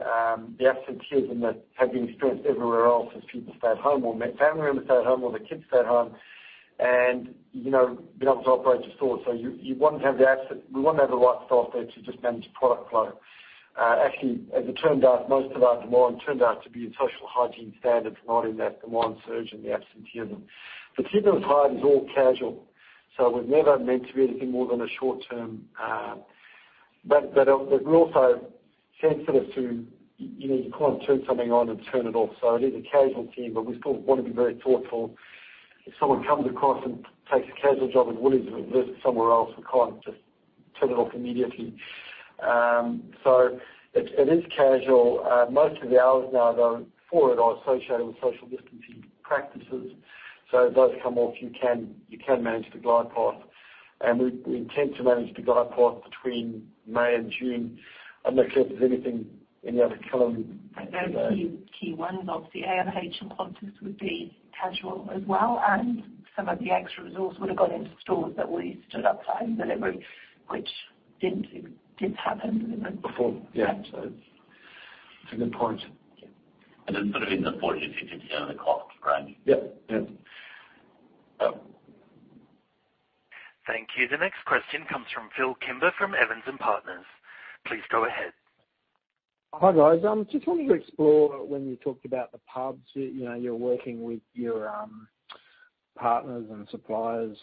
absenteeism that had been experienced everywhere else as people stayed home, or family members stayed home, or the kids stayed home, and you know, being able to operate the store. So you wouldn't have the absence. We wouldn't have the right staff there to just manage product flow. Actually, as it turned out, most of our demand turned out to be in social hygiene standards, not in that demand surge and the absenteeism. The team that was hired is all casual, so it was never meant to be anything more than a short-term. But we're also sensitive to you know, you can't turn something on and turn it off. So it is a casual team, but we still want to be very thoughtful. If someone comes across and takes a casual job at Woolies versus somewhere else, we can't just turn it off immediately. So it is casual. Most of the hours now, though, for it, are associated with social distancing practices. So if those come off, you can manage the glide path, and we intend to manage the glide path between May and June. I'm not sure if there's anything, any other color you know? There are a few key ones. Obviously, ALH and Qantas would be casual as well, and some of the extra resource would have gone into stores that were stood up for home delivery, which didn't happen. Before. Yeah, so it's a good point. Yeah. And then sort of in the AUD 40 million-AUD 50 million, the cost range? Yep. Yeah. Oh. Thank you. The next question comes from Phil Kimber, from Evans and Partners. Please go ahead. Hi, guys. Just wanted to explore when you talked about the pubs, you know, you're working with your partners and suppliers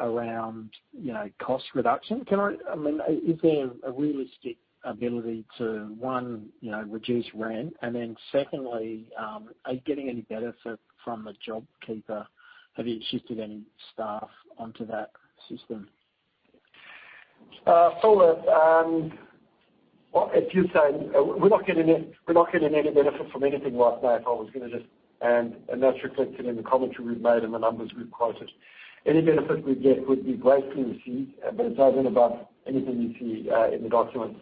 around, you know, cost reduction. I mean, is there a realistic ability to, one, you know, reduce rent? And then secondly, are you getting any benefit from the JobKeeper? Have you shifted any staff onto that system? Phil, well, as you say, we're not getting any benefit from anything right now, if I was gonna just. And that's reflected in the commentary we've made and the numbers we've quoted. Any benefit we'd get would be greatly received, but it's nothing above anything you see in the documents.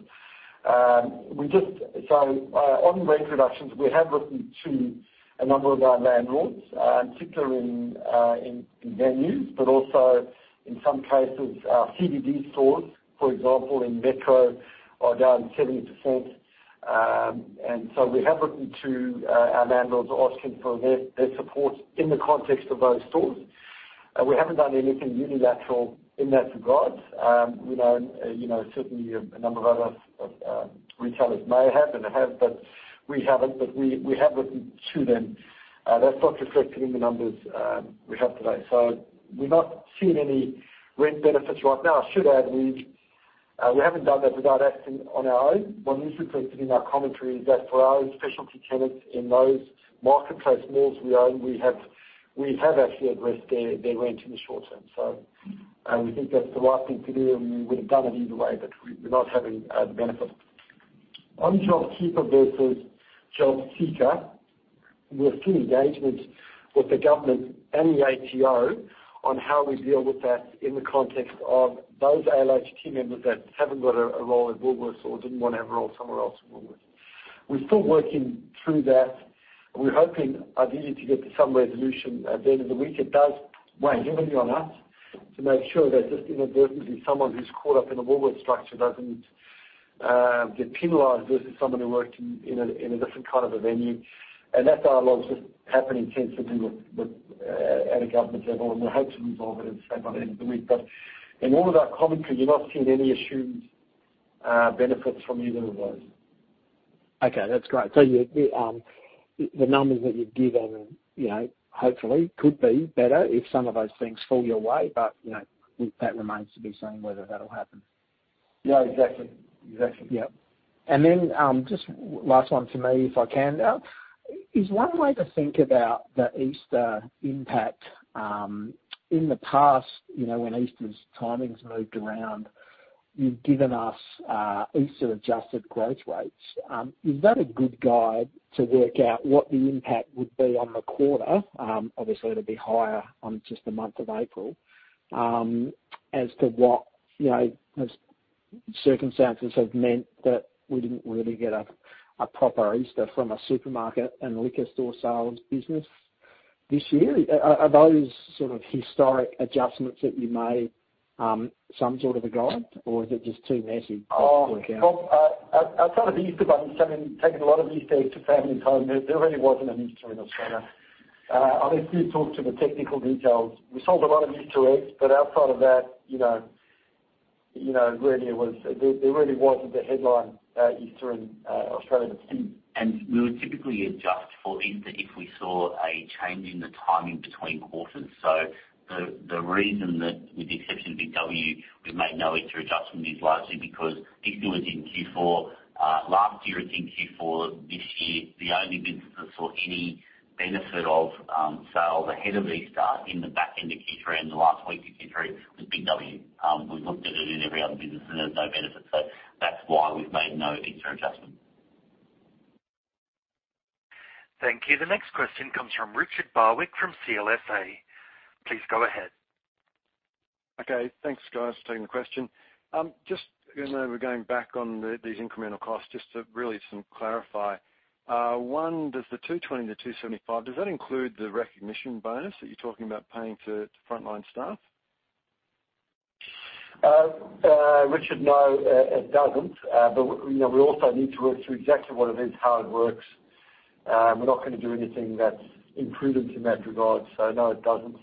We just. So, on rent reductions, we have spoken to a number of our landlords, particularly in venues, but also in some cases, our CBD stores, for example, in Metro, are down 70%. And so we have spoken to our landlords, asking for their support in the context of those stores. We haven't done anything unilateral in that regard. We know, you know, certainly a number of other retailers may have, but we haven't. But we have spoken to them. That's not reflected in the numbers we have today. So we've not seen any rent benefits right now. I should add, we've not done that without acting on our own. What is reflected in our commentary is that for our own specialty tenants in those marketplace malls we own, we have actually addressed their rent in the short term. So we think that's the right thing to do, and we would have done it either way, but we're not having the benefit. On JobKeeper versus JobSeeker, we're still engaged with the government and the ATO on how we deal with that in the context of those ALH team members that haven't got a role in Woolworths or didn't want a role somewhere else in Woolworths. We're still working through that. We're hoping, ideally, to get to some resolution at the end of the week. It does weigh heavily on us to make sure that just inadvertently, someone who's caught up in the Woolworths structure doesn't get penalized versus someone who worked in a different kind of a venue, and that dialogue's just happening tentatively with at a government level, and we hope to resolve it and stay by the end of the week, but in all of our commentary, you're not seeing any assumed benefits from either of those. Okay, that's great. So you, the numbers that you've given, you know, hopefully could be better if some of those things fall your way, but, you know, that remains to be seen whether that'll happen. Yeah, exactly. Exactly. Yeah. And then, just last one for me, if I can now. Is one way to think about the Easter impact, in the past, you know, when Easter's timings moved around, you've given us, Easter-adjusted growth rates. Is that a good guide to work out what the impact would be on the quarter? Obviously, it'll be higher on just the month of April. As to what, you know, as circumstances have meant that we didn't really get a proper Easter from a supermarket and liquor store sales business this year. Are those sort of historic adjustments that you made, some sort of a guide, or is it just too messy to work out? Outside of the Easter Bunny coming, taking a lot of Easter eggs to families' home, there really wasn't an Easter in Australia. I'll let Steve talk to the technical details. We sold a lot of Easter eggs, but outside of that, you know, really it was. There really wasn't the headline Easter in Australia this year. We would typically adjust for Easter if we saw a change in the timing between quarters. The reason that, with the exception of Big W, we've made no Easter adjustment, is largely because Easter was in Q4 last year. It's in Q4 this year. The only business that saw any benefit of sales ahead of Easter in the back end of Q3 and the last week of Q3 was Big W. We've looked at it in every other business, and there's no benefit. That's why we've made no Easter adjustment. Thank you. The next question comes from Richard Barwick from CLSA. Please go ahead. Okay, thanks, guys, for taking the question. Just, you know, we're going back on the, these incremental costs, just to really clarify some. One, does the 220-275, does that include the recognition bonus that you're talking about paying to frontline staff? Richard, no, it doesn't. But, you know, we also need to work through exactly what the hard work is. We're not gonna do anything that's imprudent in that regard, so no, it doesn't.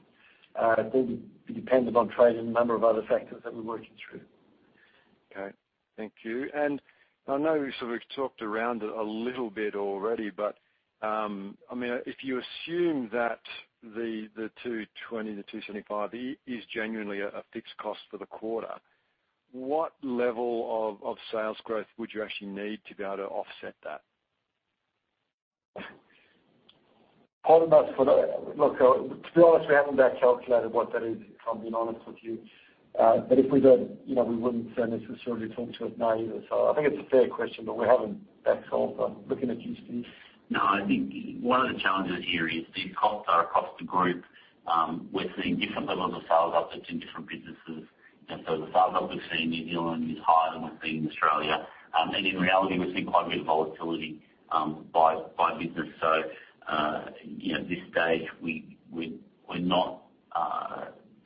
It will be dependent on trade and a number of other factors that we're working through. Okay, thank you. And I know we've sort of talked around it a little bit already, but, I mean, if you assume that the 220-275 is genuinely a fixed cost for the quarter, what level of sales growth would you actually need to be able to offset that? Hold on for that. Look, to be honest, we haven't back calculated what that is, if I'm being honest with you. But if we did, you know, we wouldn't necessarily talk to it now either. So I think it's a fair question, but we haven't backed off on looking at these fees. No, I think one of the challenges here is these costs are across the group. We're seeing different levels of sales offsets in different businesses, and so the sales that we've seen in New Zealand is higher than we've seen in Australia, and in reality, we've seen quite a bit of volatility by business. You know, at this stage, we're not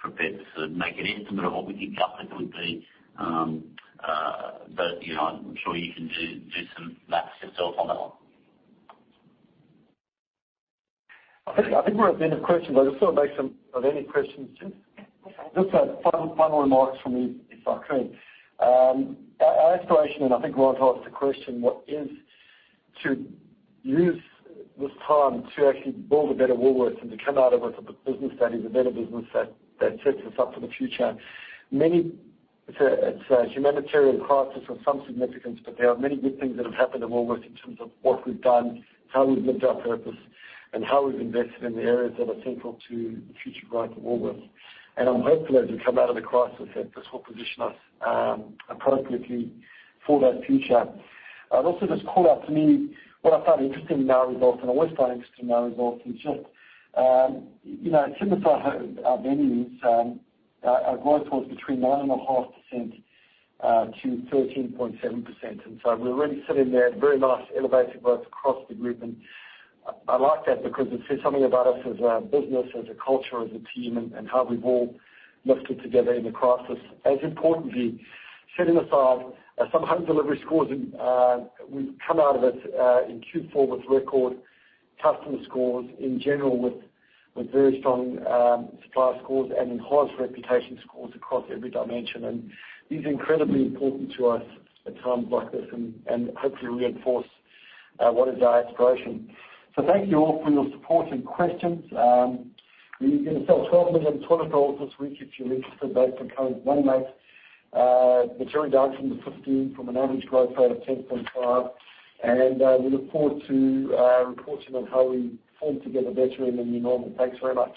prepared to sort of make an estimate of what we think profit would be, but you know, I'm sure you can do some math yourself on that one. I think we're at the end of questions, but I'll still take some of any questions. Just final remarks from me if I can. Our aspiration, and I think Ron asked the question, what is to use this time to actually build a better Woolworths and to come out of a business that is a better business that sets us up for the future? Many, it's a humanitarian crisis of some significance, but there are many good things that have happened at Woolworths in terms of what we've done, how we've lived our purpose, and how we've invested in the areas that are central to the future growth of Woolworths. And I'm hopeful as we come out of the crisis that this will position us appropriately for that future. I'd also just call out to me what I found interesting in our results, and I always find interesting in our results, is just, you know, similar to our home, our venues, our growth was between 9.5% to 13.7%. And so we're really sitting there, very nice elevated growth across the group, and I like that because it says something about us as a business, as a culture, as a team, and, and how we've all lifted together in the crisis. As importantly, setting aside, some home delivery scores, and, we've come out of it, in Q4 with record customer scores, in general, with, with very strong, supplier scores and enhanced reputation scores across every dimension. And it's incredibly important to us at times like this and, and hopefully reinforce, what is our aspiration. Thank you all for your support and questions. We're gonna sell 12 million toilet rolls this week, if you're interested, that's for current Woolies mates. But going down from the 15 from an average growth rate of 10.5%. We look forward to reporting on how we perform together better in the new normal. Thanks very much.